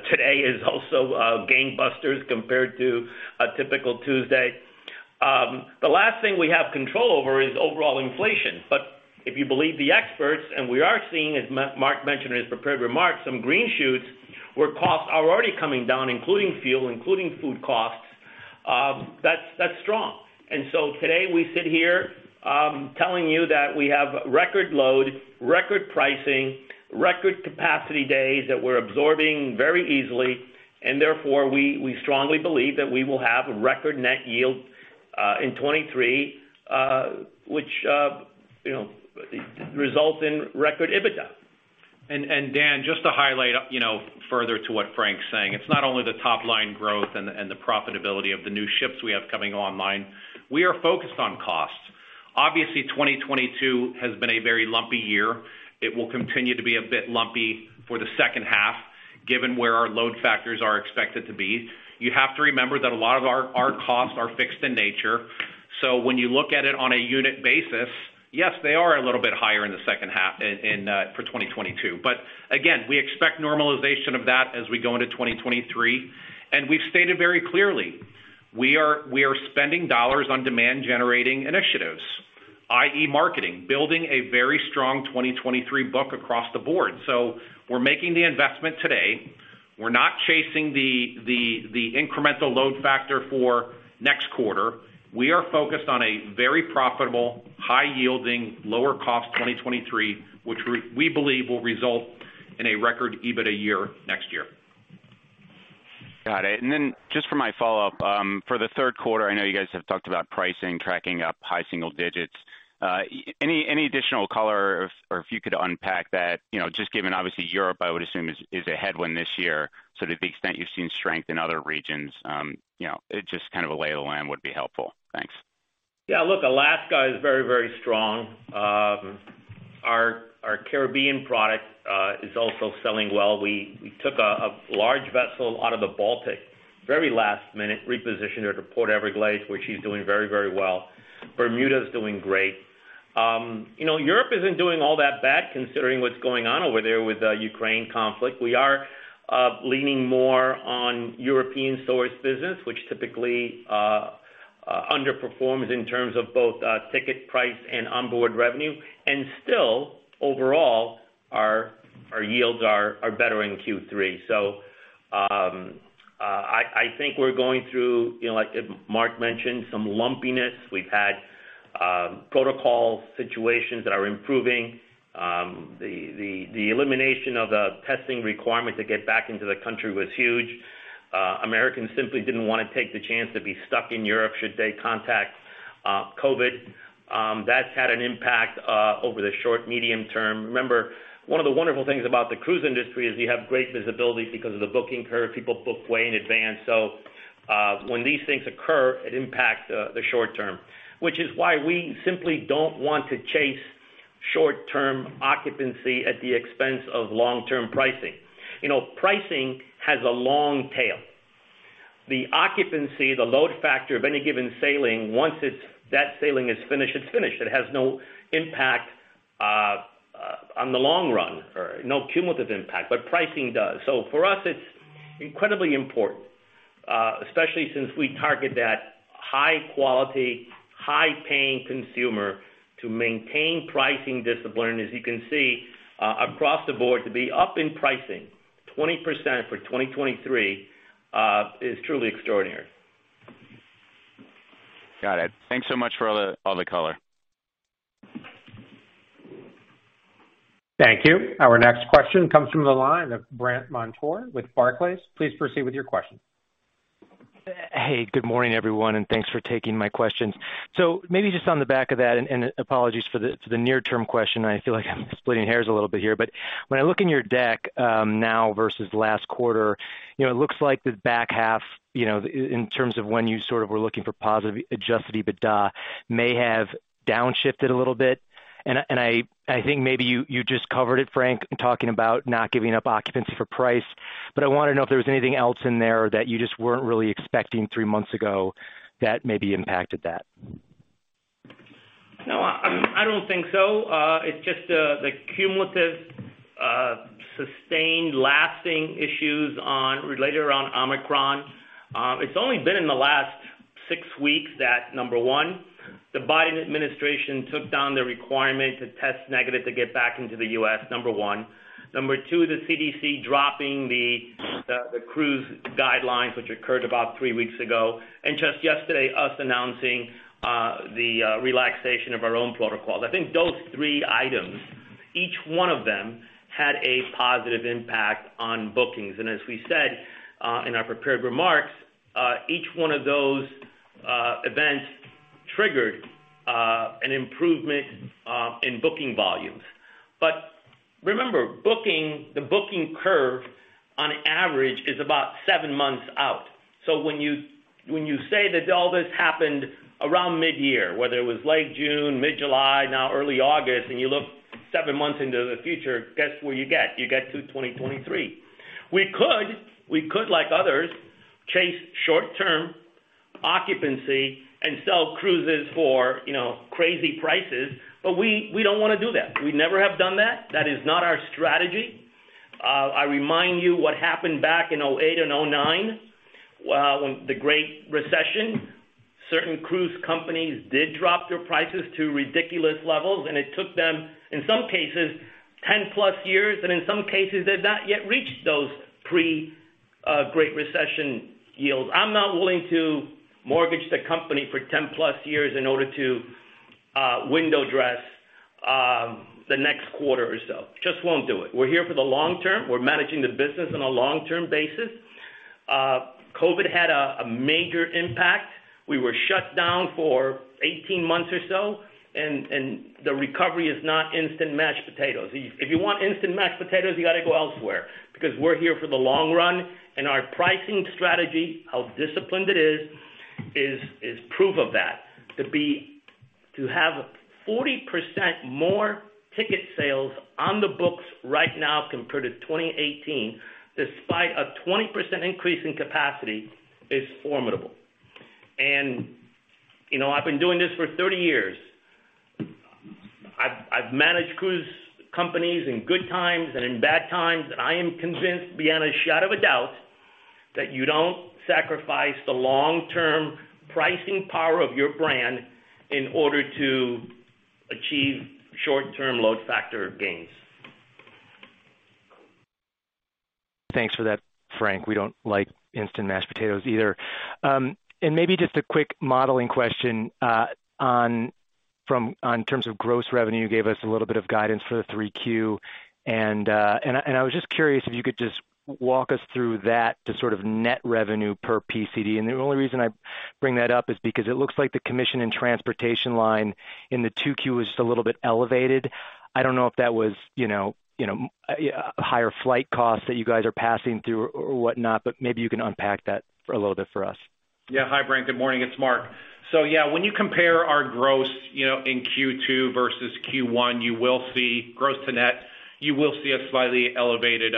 Today is also gangbusters compared to a typical Tuesday. The last thing we have control over is overall inflation. If you believe the experts and we are seeing, as Mark mentioned in his prepared remarks, some green shoots where costs are already coming down, including fuel, including food costs, that's strong. Today we sit here telling you that we have record load, record pricing, record Capacity Days that we're absorbing very easily, and therefore we strongly believe that we will have a record net yield in 2023, which you know results in record EBITDA. Dan, just to highlight, you know, further to what Frank's saying. It's not only the top line growth and the profitability of the new ships we have coming online. We are focused on costs. Obviously, 2022 has been a very lumpy year. It will continue to be a bit lumpy for the second half, given where our load factors are expected to be. You have to remember that a lot of our costs are fixed in nature. So when you look at it on a unit basis, yes, they are a little bit higher in the second half, in for 2022. But again, we expect normalization of that as we go into 2023. We've stated very clearly, we are spending dollars on demand generating initiatives, i.e. marketing, building a very strong 2023 book across the board. We're making the investment today. We're not chasing the incremental load factor for next quarter. We are focused on a very profitable, high yielding, lower cost 2023, which we believe will result in a record EBITDA year next year. Got it. Just for my follow-up, for the third quarter, I know you guys have talked about pricing, tracking up high single digits. Any additional color or if you could unpack that, you know, just given obviously Europe, I would assume is a headwind this year. To the extent you've seen strength in other regions, you know, just kind of a lay of the land would be helpful. Thanks. Yeah, look, Alaska is very, very strong. Our Caribbean product is also selling well. We took a large vessel out of the Baltic very last minute, repositioned her to Port Everglades, where she's doing very, very well. Bermuda's doing great. You know, Europe isn't doing all that bad considering what's going on over there with the Ukraine conflict. We are leaning more on European sourced business, which typically underperforms in terms of both ticket price and onboard revenue. Still, overall, our yields are better in Q3. I think we're going through, you know, like Mark mentioned, some lumpiness. We've had protocol situations that are improving. The elimination of the testing requirement to get back into the country was huge. Americans simply didn't wanna take the chance to be stuck in Europe should they contract COVID. That's had an impact over the short- and medium-term. Remember, one of the wonderful things about the cruise industry is you have great visibility because of the booking curve. People book way in advance. When these things occur, it impacts the short term, which is why we simply don't want to chase short-term occupancy at the expense of long-term pricing. You know, pricing has a long tail. The occupancy, the load factor of any given sailing, once that sailing is finished, it's finished. It has no impact in the long run or no cumulative impact, but pricing does. For us, it's incredibly important, especially since we target that high-quality, high-paying consumer to maintain pricing discipline. As you can see, across the board to be up in pricing 20% for 2023 is truly extraordinary. Got it. Thanks so much for all the color. Thank you. Our next question comes from the line of Brandt Montour with Barclays. Please proceed with your question. Hey, good morning, everyone, and thanks for taking my questions. Maybe just on the back of that, and apologies for the near-term question. I feel like I'm splitting hairs a little bit here, but when I look in your deck, now versus last quarter, you know, it looks like the back half, you know, in terms of when you sort of were looking for positive adjusted EBITDA, may have downshifted a little bit. I think maybe you just covered it, Frank, talking about not giving up occupancy for price. But I wanna know if there was anything else in there that you just weren't really expecting three months ago that maybe impacted that. No, I don't think so. It's just the cumulative sustained lasting issues related around Omicron. It's only been in the last six weeks that, number one, the Biden administration took down the requirement to test negative to get back into the U.S., number one. Number two, the CDC dropping the cruise guidelines, which occurred about three weeks ago. Just yesterday, us announcing the relaxation of our own protocols. I think those three items, each one of them had a positive impact on bookings. As we said in our prepared remarks, each one of those events triggered an improvement in booking volumes. Remember, the booking curve on average is about seven months out. When you say that all this happened around mid-year, whether it was late June, mid-July, early August, and you look seven months into the future, guess where you get? You get to 2023. We could, like others, chase short-term occupancy and sell cruises for, you know, crazy prices. We don't wanna do that. We never have done that. That is not our strategy. I remind you what happened back in 2008 and 2009, when the Great Recession, certain cruise companies did drop their prices to ridiculous levels, and it took them, in some cases, 10+ years, and in some cases, they've not yet reached those pre-Great Recession yields. I'm not willing to mortgage the company for 10+ years in order to window dress the next quarter or so. Just won't do it. We're here for the long term. We're managing the business on a long-term basis. COVID had a major impact. We were shut down for 18 months or so, and the recovery is not instant mashed potatoes. If you want instant mashed potatoes, you gotta go elsewhere, because we're here for the long run, and our pricing strategy, how disciplined it is proof of that. To have 40% more ticket sales on the books right now compared to 2018, despite a 20% increase in capacity, is formidable. You know, I've been doing this for 30 years. I've managed cruise companies in good times and in bad times, and I am convinced beyond a shadow of a doubt that you don't sacrifice the long-term pricing power of your brand in order to achieve short-term load factor gains. Thanks for that, Frank. We don't like instant mashed potatoes either. Maybe just a quick modeling question on terms of gross revenue. You gave us a little bit of guidance for the 3Q. I was just curious if you could just walk us through that to sort of net revenue per PCD. The only reason I bring that up is because it looks like the commission and transportation line in the 2Q was just a little bit elevated. I don't know if that was, you know, higher flight costs that you guys are passing through or whatnot, but maybe you can unpack that for a little bit for us. Yeah. Hi, Brandt. Good morning. It's Mark. Yeah, when you compare our gross, you know, in Q2 versus Q1, you will see gross to net. You will see a slightly elevated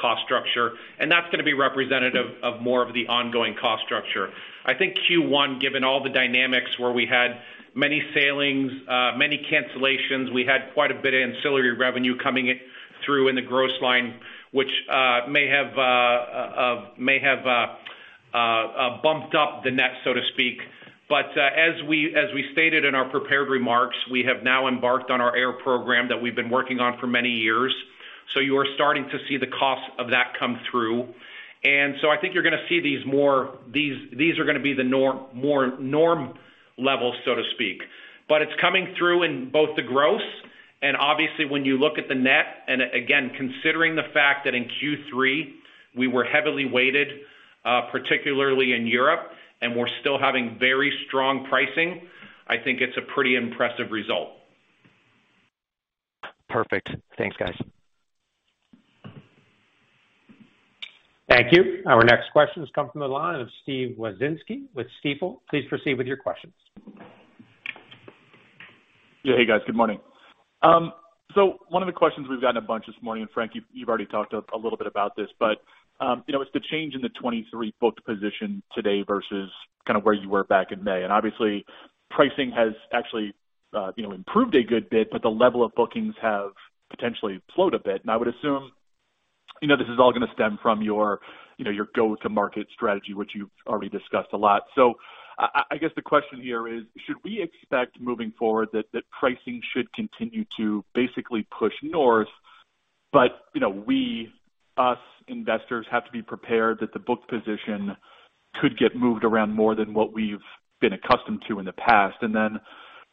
cost structure, and that's gonna be representative of more of the ongoing cost structure. I think Q1, given all the dynamics where we had many sailings, many cancellations, we had quite a bit of ancillary revenue coming through in the gross line, which may have bumped up the net, so to speak. As we stated in our prepared remarks, we have now embarked on our air program that we've been working on for many years. You are starting to see the cost of that come through. I think you're gonna see these more. These are gonna be the norm, more norm levels, so to speak. It's coming through in both the gross and obviously when you look at the net, and again, considering the fact that in Q3, we were heavily weighted, particularly in Europe, and we're still having very strong pricing, I think it's a pretty impressive result. Perfect. Thanks, guys. Thank you. Our next question has come from the line of Steve Wieczynski with Stifel. Please proceed with your questions. Yeah. Hey, guys. Good morning. One of the questions we've gotten a bunch this morning, Frank, you've already talked a little bit about this, but you know, it's the change in the 2023 booked position today versus kind of where you were back in May. Obviously, pricing has actually improved a good bit, but the level of bookings have potentially slowed a bit. I would assume, you know, this is all gonna stem from your, you know, your go-to-market strategy, which you've already discussed a lot. I guess the question here is, should we expect moving forward that pricing should continue to basically push north, but you know, we, us investors have to be prepared that the book position could get moved around more than what we've been accustomed to in the past?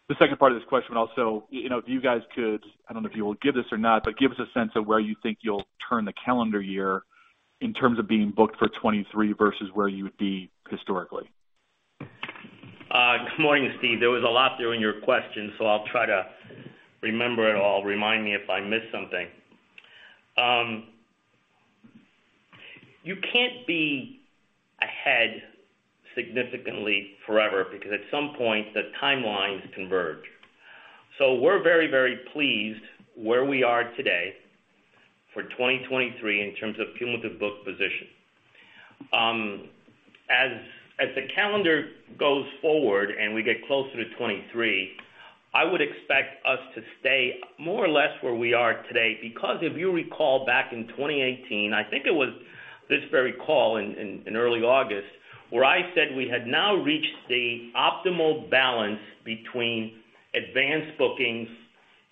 The second part of this question also, you know, if you guys could, I don't know if you will give this or not, but give us a sense of where you think you'll turn the calendar year in terms of being booked for 2023 versus where you would be historically. Good morning, Steve. There was a lot there in your question, so I'll try to remember it all. Remind me if I miss something. You can't be ahead significantly forever because at some point the timelines converge. We're very, very pleased where we are today for 2023 in terms of cumulative book position. As the calendar goes forward and we get closer to 2023, I would expect us to stay more or less where we are today, because if you recall back in 2018, I think it was this very call in early August, where I said we had now reached the optimal balance between advanced bookings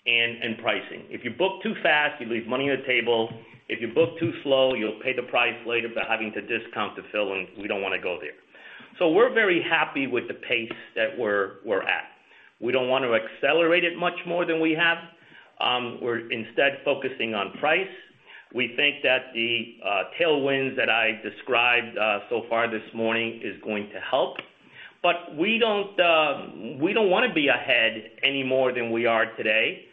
and pricing. If you book too fast, you leave money on the table. If you book too slow, you'll pay the price later by having to discount to fill in. We don't wanna go there. We're very happy with the pace that we're at. We don't want to accelerate it much more than we have. We're instead focusing on price. We think that the tailwinds that I described so far this morning is going to help. We don't wanna be ahead any more than we are today.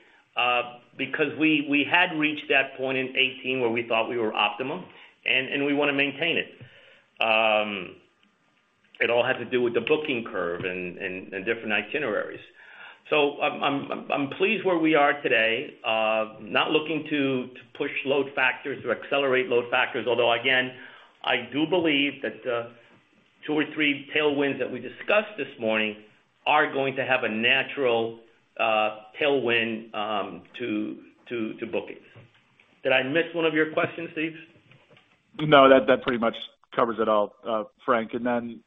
Because we had reached that point in 2018 where we thought we were optimum and we wanna maintain it. It all had to do with the booking curve and different itineraries. I'm pleased where we are today, not looking to push load factors or accelerate load factors. Although again, I do believe that the two or three tailwinds that we discussed this morning are going to have a natural tailwind to bookings. Did I miss one of your questions, Steve? No, that pretty much covers it all, Frank. Then,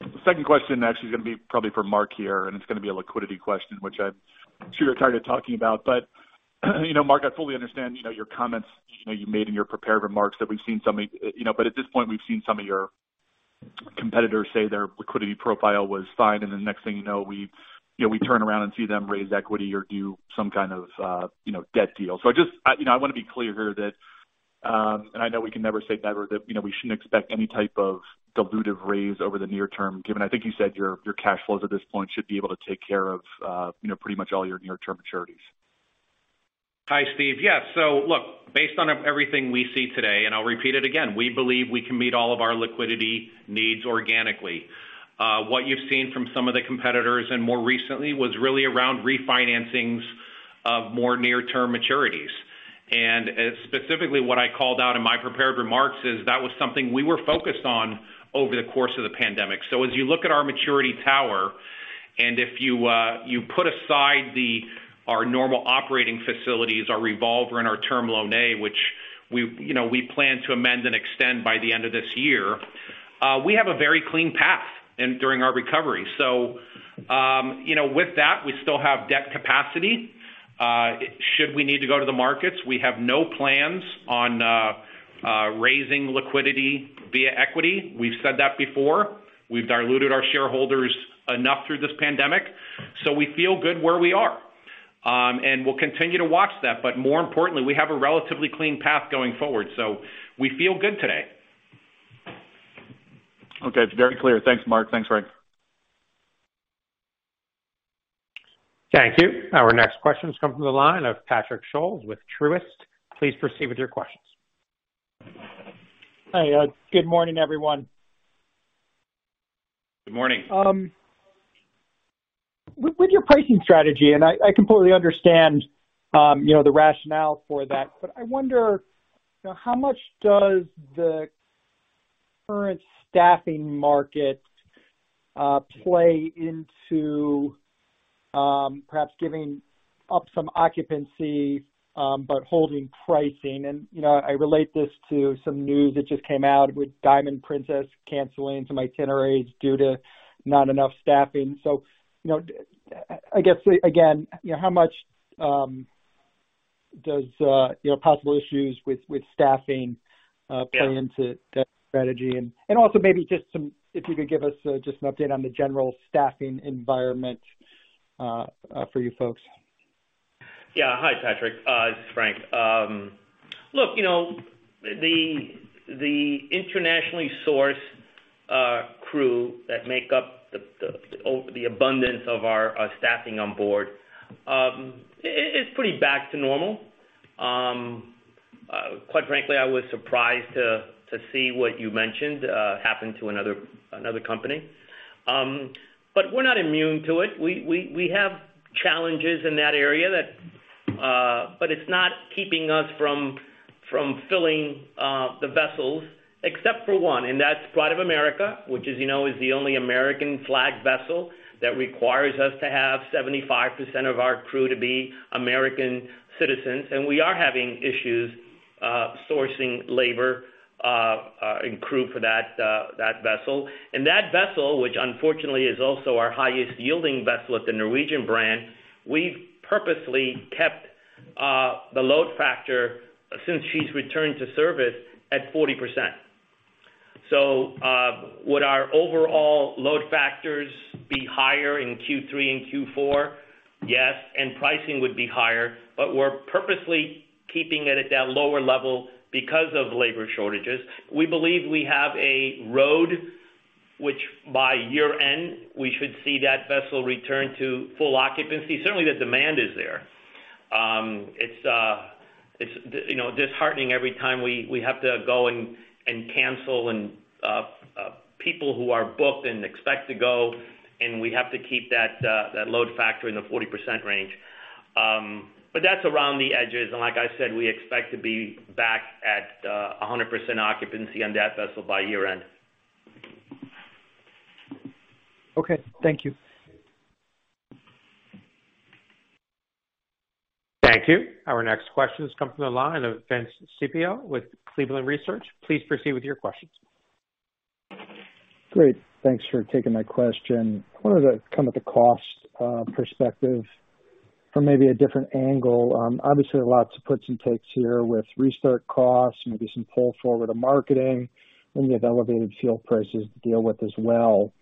the second question actually is gonna be probably for Mark here, and it's gonna be a liquidity question, which I'm sure you're tired of talking about. You know, Mark, I fully understand, you know, your comments, you know, you made in your prepared remarks. You know, at this point, we've seen some of your competitors say their liquidity profile was fine, and the next thing you know, you know, we turn around and see them raise equity or do some kind of, you know, debt deal. I just you know I wanna be clear here that and I know we can never say never, that you know we shouldn't expect any type of dilutive raise over the near term, given I think you said your cash flows at this point should be able to take care of you know pretty much all your near-term maturities. Hi, Steve. Yeah. Look, based on everything we see today, and I'll repeat it again, we believe we can meet all of our liquidity needs organically. What you've seen from some of the competitors and more recently was really around refinancings of more near-term maturities. Specifically what I called out in my prepared remarks is that was something we were focused on over the course of the pandemic. As you look at our maturity tower, and if you put aside our normal operating facilities, our revolver and our term loan A, which, you know, we plan to amend and extend by the end of this year, we have a very clean path during our recovery. You know, with that, we still have debt capacity should we need to go to the markets. We have no plans on raising liquidity via equity. We've said that before. We've diluted our shareholders enough through this pandemic, so we feel good where we are. We'll continue to watch that. More importantly, we have a relatively clean path going forward, so we feel good today. Okay. It's very clear. Thanks, Mark. Thanks, Frank. Thank you. Our next question comes from the line of Patrick Scholes with Truist. Please proceed with your questions. Hi. Good morning, everyone. Good morning. With your pricing strategy, I completely understand, you know, the rationale for that. I wonder, you know, how much does the current staffing market play into, perhaps giving up some occupancy, but holding pricing? I relate this to some news that just came out with Diamond Princess canceling some itineraries due to not enough staffing. I guess, again, you know, how much does possible issues with staffing. Yeah. Play into that strategy? Also, maybe just if you could give us just an update on the general staffing environment for you folks. Yeah. Hi, Patrick. It's Frank. Look, you know, the internationally sourced crew that make up the abundance of our staffing on board, it's pretty back to normal. Quite frankly, I was surprised to see what you mentioned happen to another company. But we're not immune to it. We have challenges in that area, but it's not keeping us from filling the vessels, except for one, and that's Pride of America, which, as you know, is the only American-flagged vessel that requires us to have 75% of our crew to be American citizens. We are having issues sourcing labor and crew for that vessel. That vessel, which unfortunately is also our highest yielding vessel at the Norwegian brand, we've purposely kept the load factor since she's returned to service at 40%. Would our overall load factors be higher in Q3 and Q4? Yes, and pricing would be higher. We're purposely keeping it at that lower level because of labor shortages. We believe we have a road which by year-end, we should see that vessel return to full occupancy. Certainly the demand is there. It's, you know, disheartening every time we have to go and cancel people who are booked and expect to go, and we have to keep that load factor in the 40% range. That's around the edges. Like I said, we expect to be back at 100% occupancy on that vessel by year-end. Okay. Thank you. Thank you. Our next question comes from the line of Vince Ciepiel with Cleveland Research. Please proceed with your questions. Great. Thanks for taking my question. I wanted to come at the cost perspective from maybe a different angle. Obviously, there are lots of puts and takes here with restart costs, maybe some pull forward to marketing, and you have elevated fuel prices to deal with as well.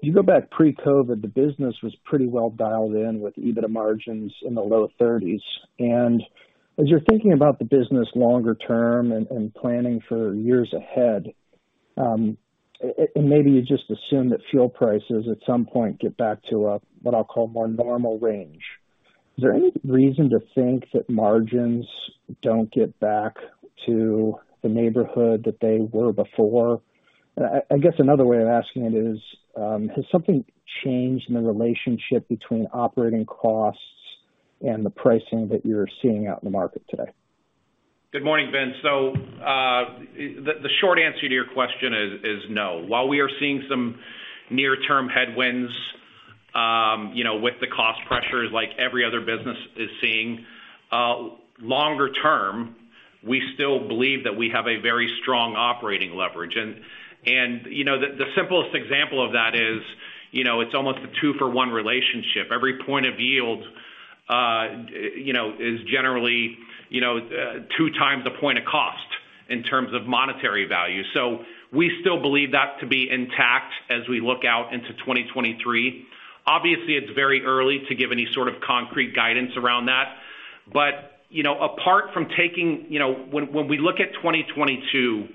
You go back pre-COVID, the business was pretty well dialed in with EBITDA margins in the low 30s%. As you're thinking about the business longer term and planning for years ahead. Maybe you just assume that fuel prices at some point get back to a what I'll call more normal range. Is there any reason to think that margins don't get back to the neighborhood that they were before? I guess another way of asking it is, has something changed in the relationship between operating costs and the pricing that you're seeing out in the market today? Good morning, Vince. The short answer to your question is no. While we are seeing some near-term headwinds, you know, with the cost pressures like every other business is seeing, longer term, we still believe that we have a very strong operating leverage. You know, the simplest example of that is, you know, it's almost a two for one relationship. Every point of yield, you know, is generally, you know, 2x the point of cost in terms of monetary value. We still believe that to be intact as we look out into 2023. Obviously, it's very early to give any sort of concrete guidance around that. You know, apart from taking. You know, when we look at 2022,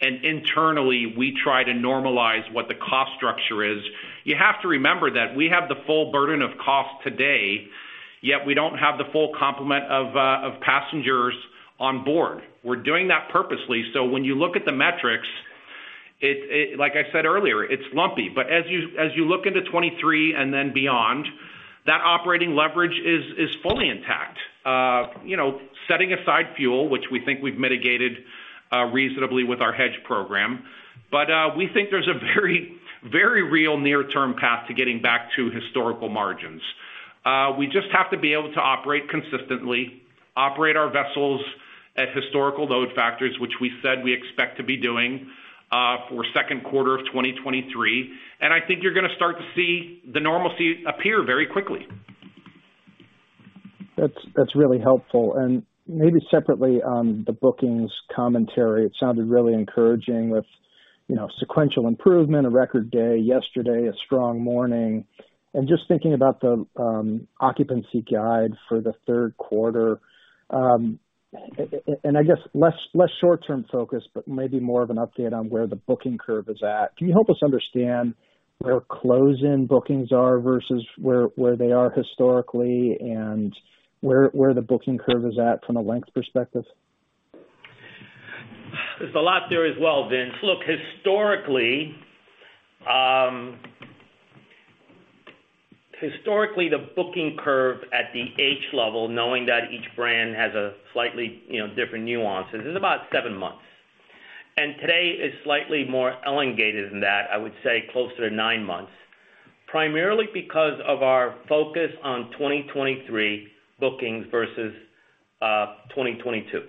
internally we try to normalize what the cost structure is. You have to remember that we have the full burden of cost today, yet we don't have the full complement of passengers on board. We're doing that purposely, so when you look at the metrics, it like I said earlier, it's lumpy. As you look into 2023 and then beyond, that operating leverage is fully intact. You know, setting aside fuel, which we think we've mitigated reasonably with our hedge program. We think there's a very very real near-term path to getting back to historical margins. We just have to be able to operate consistently, operate our vessels at historical load factors, which we said we expect to be doing for second quarter of 2023. I think you're gonna start to see the normalcy appear very quickly. That's really helpful. Maybe separately on the bookings commentary, it sounded really encouraging with you know sequential improvement, a record day yesterday, a strong morning. Just thinking about the occupancy guide for the third quarter. I guess less short-term focused, but maybe more of an update on where the booking curve is at. Can you help us understand where close-in bookings are versus where they are historically and where the booking curve is at from a length perspective? There's a lot there as well, Vince. Look, historically, the booking curve at the H level, knowing that each brand has a slightly, you know, different nuances, is about seven months. Today is slightly more elongated than that. I would say closer to nine months, primarily because of our focus on 2023 bookings versus 2022.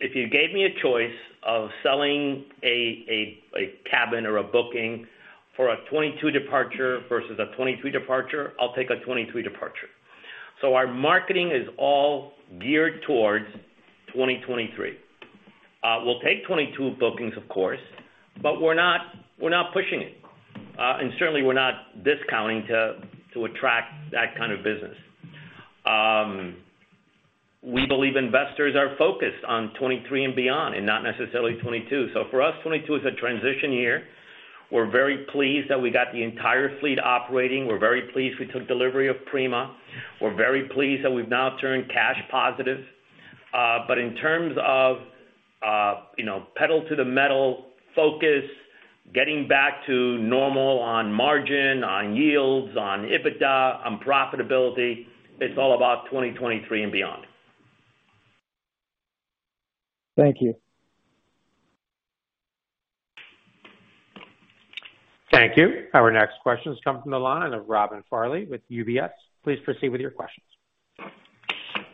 If you gave me a choice of selling a cabin or a booking for a 2022 departure versus a 2023 departure, I'll take a 2023 departure. Our marketing is all geared towards 2023. We'll take 2022 bookings, of course, but we're not pushing it. Certainly we're not discounting to attract that kind of business. We believe investors are focused on 2023 and beyond, and not necessarily 2022. For us, 2022 is a transition year. We're very pleased that we got the entire fleet operating. We're very pleased we took delivery of Prima. We're very pleased that we've now turned cash positive. In terms of, you know, pedal to the metal focus, getting back to normal on margin, on yields, on EBITDA, on profitability, it's all about 2023 and beyond. Thank you. Thank you. Our next question comes from the line of Robin Farley with UBS. Please proceed with your questions.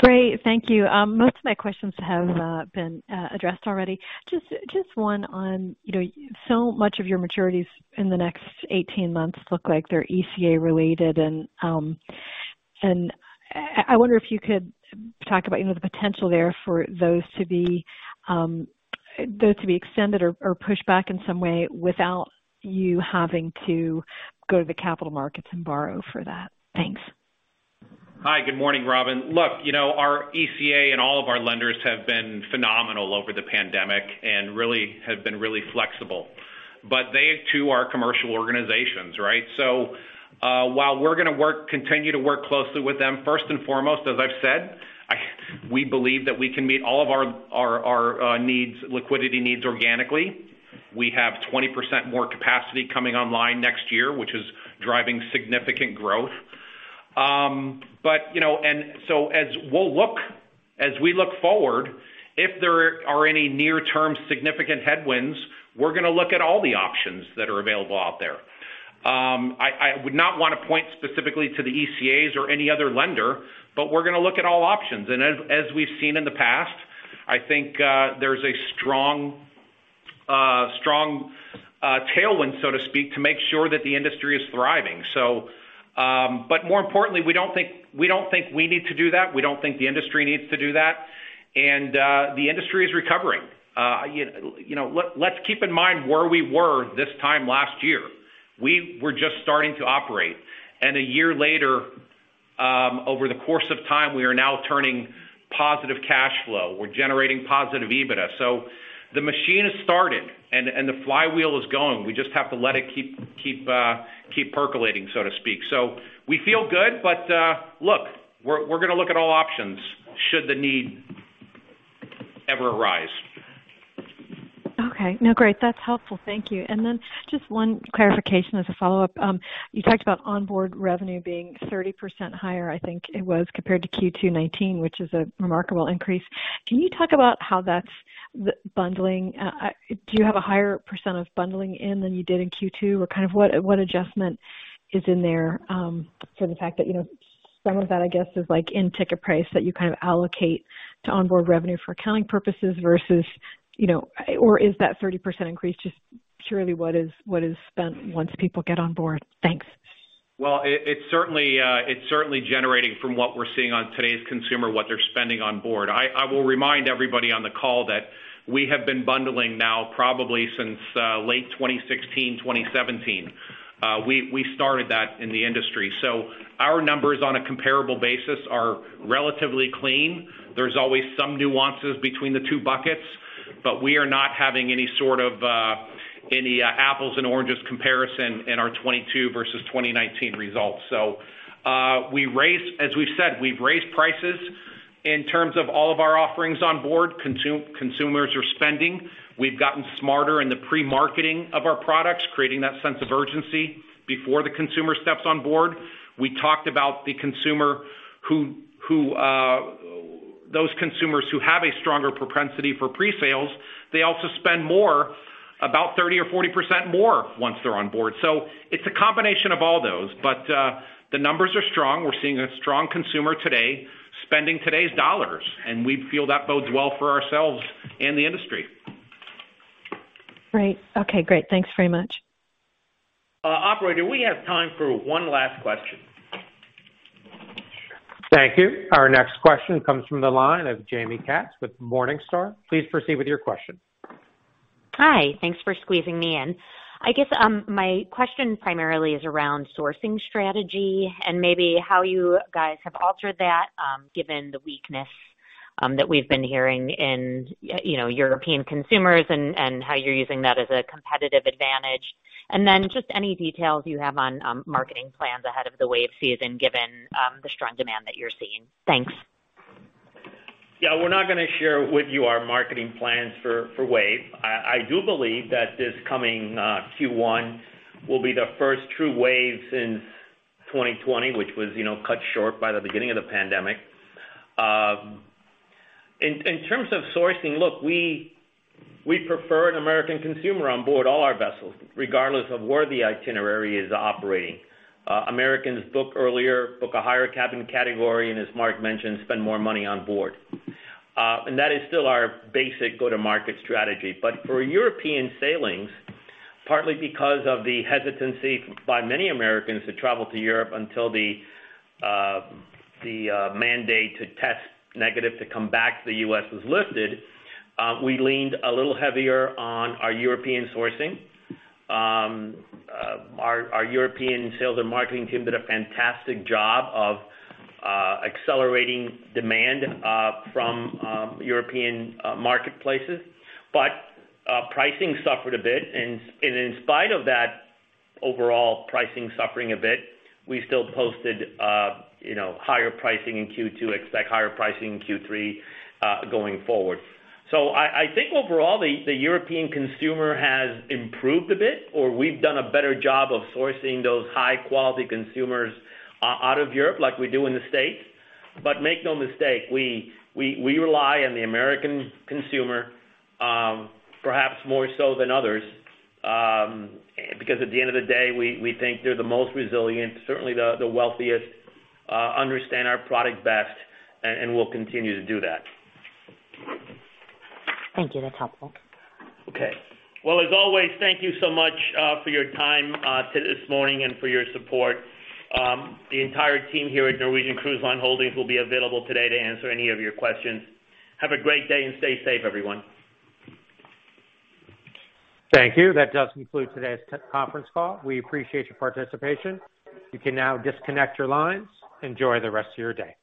Great. Thank you. Most of my questions have been addressed already. Just one on, you know, so much of your maturities in the next 18 months look like they're ECA related and I wonder if you could talk about, you know, the potential there for those to be extended or pushed back in some way without you having to go to the capital markets and borrow for that. Thanks. Hi. Good morning, Robin. Look, you know, our ECA and all of our lenders have been phenomenal over the pandemic and really have been really flexible. They too are commercial organizations, right? While we're gonna continue to work closely with them, first and foremost, as I've said, we believe that we can meet all of our liquidity needs organically. We have 20% more capacity coming online next year, which is driving significant growth. As we look forward, if there are any near-term significant headwinds, we're gonna look at all the options that are available out there. I would not wanna point specifically to the ECAs or any other lender, but we're gonna look at all options. As we've seen in the past, I think, there's a strong tailwind, so to speak, to make sure that the industry is thriving. But more importantly, we don't think we need to do that. We don't think the industry needs to do that. The industry is recovering. You know, let's keep in mind where we were this time last year. We were just starting to operate, and a year later. Over the course of time, we are now turning positive cash flow. We're generating positive EBITDA. The machine has started and the flywheel is going. We just have to let it keep percolating, so to speak. We feel good, but look, we're gonna look at all options should the need ever arise. Okay. No, great. That's helpful. Thank you. Then just one clarification as a follow-up. You talked about onboard revenue being 30% higher, I think it was, compared to Q2 2019, which is a remarkable increase. Can you talk about how that's bundling? Do you have a higher percent of bundling in than you did in Q2? Or kind of what adjustment is in there, for the fact that, you know, some of that, I guess, is like in ticket price that you kind of allocate to onboard revenue for accounting purposes versus, you know, or is that 30% increase just purely what is spent once people get on board? Thanks. It's certainly generating from what we're seeing on today's consumer, what they're spending on board. I will remind everybody on the call that we have been bundling now probably since late 2016, 2017. We started that in the industry. Our numbers on a comparable basis are relatively clean. There's always some nuances between the two buckets, but we are not having any sort of apples and oranges comparison in our 2022 versus 2019 results. As we've said, we've raised prices in terms of all of our offerings on board. Consumers are spending. We've gotten smarter in the pre-marketing of our products, creating that sense of urgency before the consumer steps on board. We talked about those consumers who have a stronger propensity for pre-sales. They also spend more, about 30% or 40% more once they're on board. It's a combination of all those. The numbers are strong. We're seeing a strong consumer today spending today's dollars, and we feel that bodes well for ourselves and the industry. Great. Okay, great. Thanks very much. Operator, we have time for one last question. Thank you. Our next question comes from the line of Jaime Katz with Morningstar. Please proceed with your question. Hi. Thanks for squeezing me in. I guess, my question primarily is around sourcing strategy and maybe how you guys have altered that, given the weakness that we've been hearing in, you know, European consumers and how you're using that as a competitive advantage. Just any details you have on marketing plans ahead of the Wave season, given the strong demand that you're seeing. Thanks. Yeah, we're not gonna share with you our marketing plans for Wave. I do believe that this coming Q1 will be the first true Wave since 2020, which was, you know, cut short by the beginning of the pandemic. In terms of sourcing, look, we prefer an American consumer on board all our vessels, regardless of where the itinerary is operating. Americans book earlier, book a higher cabin category, and as Mark mentioned, spend more money on board. That is still our basic go-to-market strategy. For European sailings, partly because of the hesitancy by many Americans to travel to Europe until the mandate to test negative to come back to the U.S. was lifted, we leaned a little heavier on our European sourcing. Our European sales and marketing team did a fantastic job of accelerating demand from European marketplaces. Pricing suffered a bit. In spite of that overall pricing suffering a bit, we still posted you know higher pricing in Q2, expect higher pricing in Q3 going forward. I think overall the European consumer has improved a bit, or we've done a better job of sourcing those high-quality consumers out of Europe like we do in the States. Make no mistake, we rely on the American consumer perhaps more so than others because at the end of the day, we think they're the most resilient, certainly the wealthiest, understand our product best, and we'll continue to do that. Thank you. That's helpful. Okay. Well, as always, thank you so much for your time to this morning and for your support. The entire team here at Norwegian Cruise Line Holdings will be available today to answer any of your questions. Have a great day and stay safe, everyone. Thank you. That does conclude today's conference call. We appreciate your participation. You can now disconnect your lines. Enjoy the rest of your day.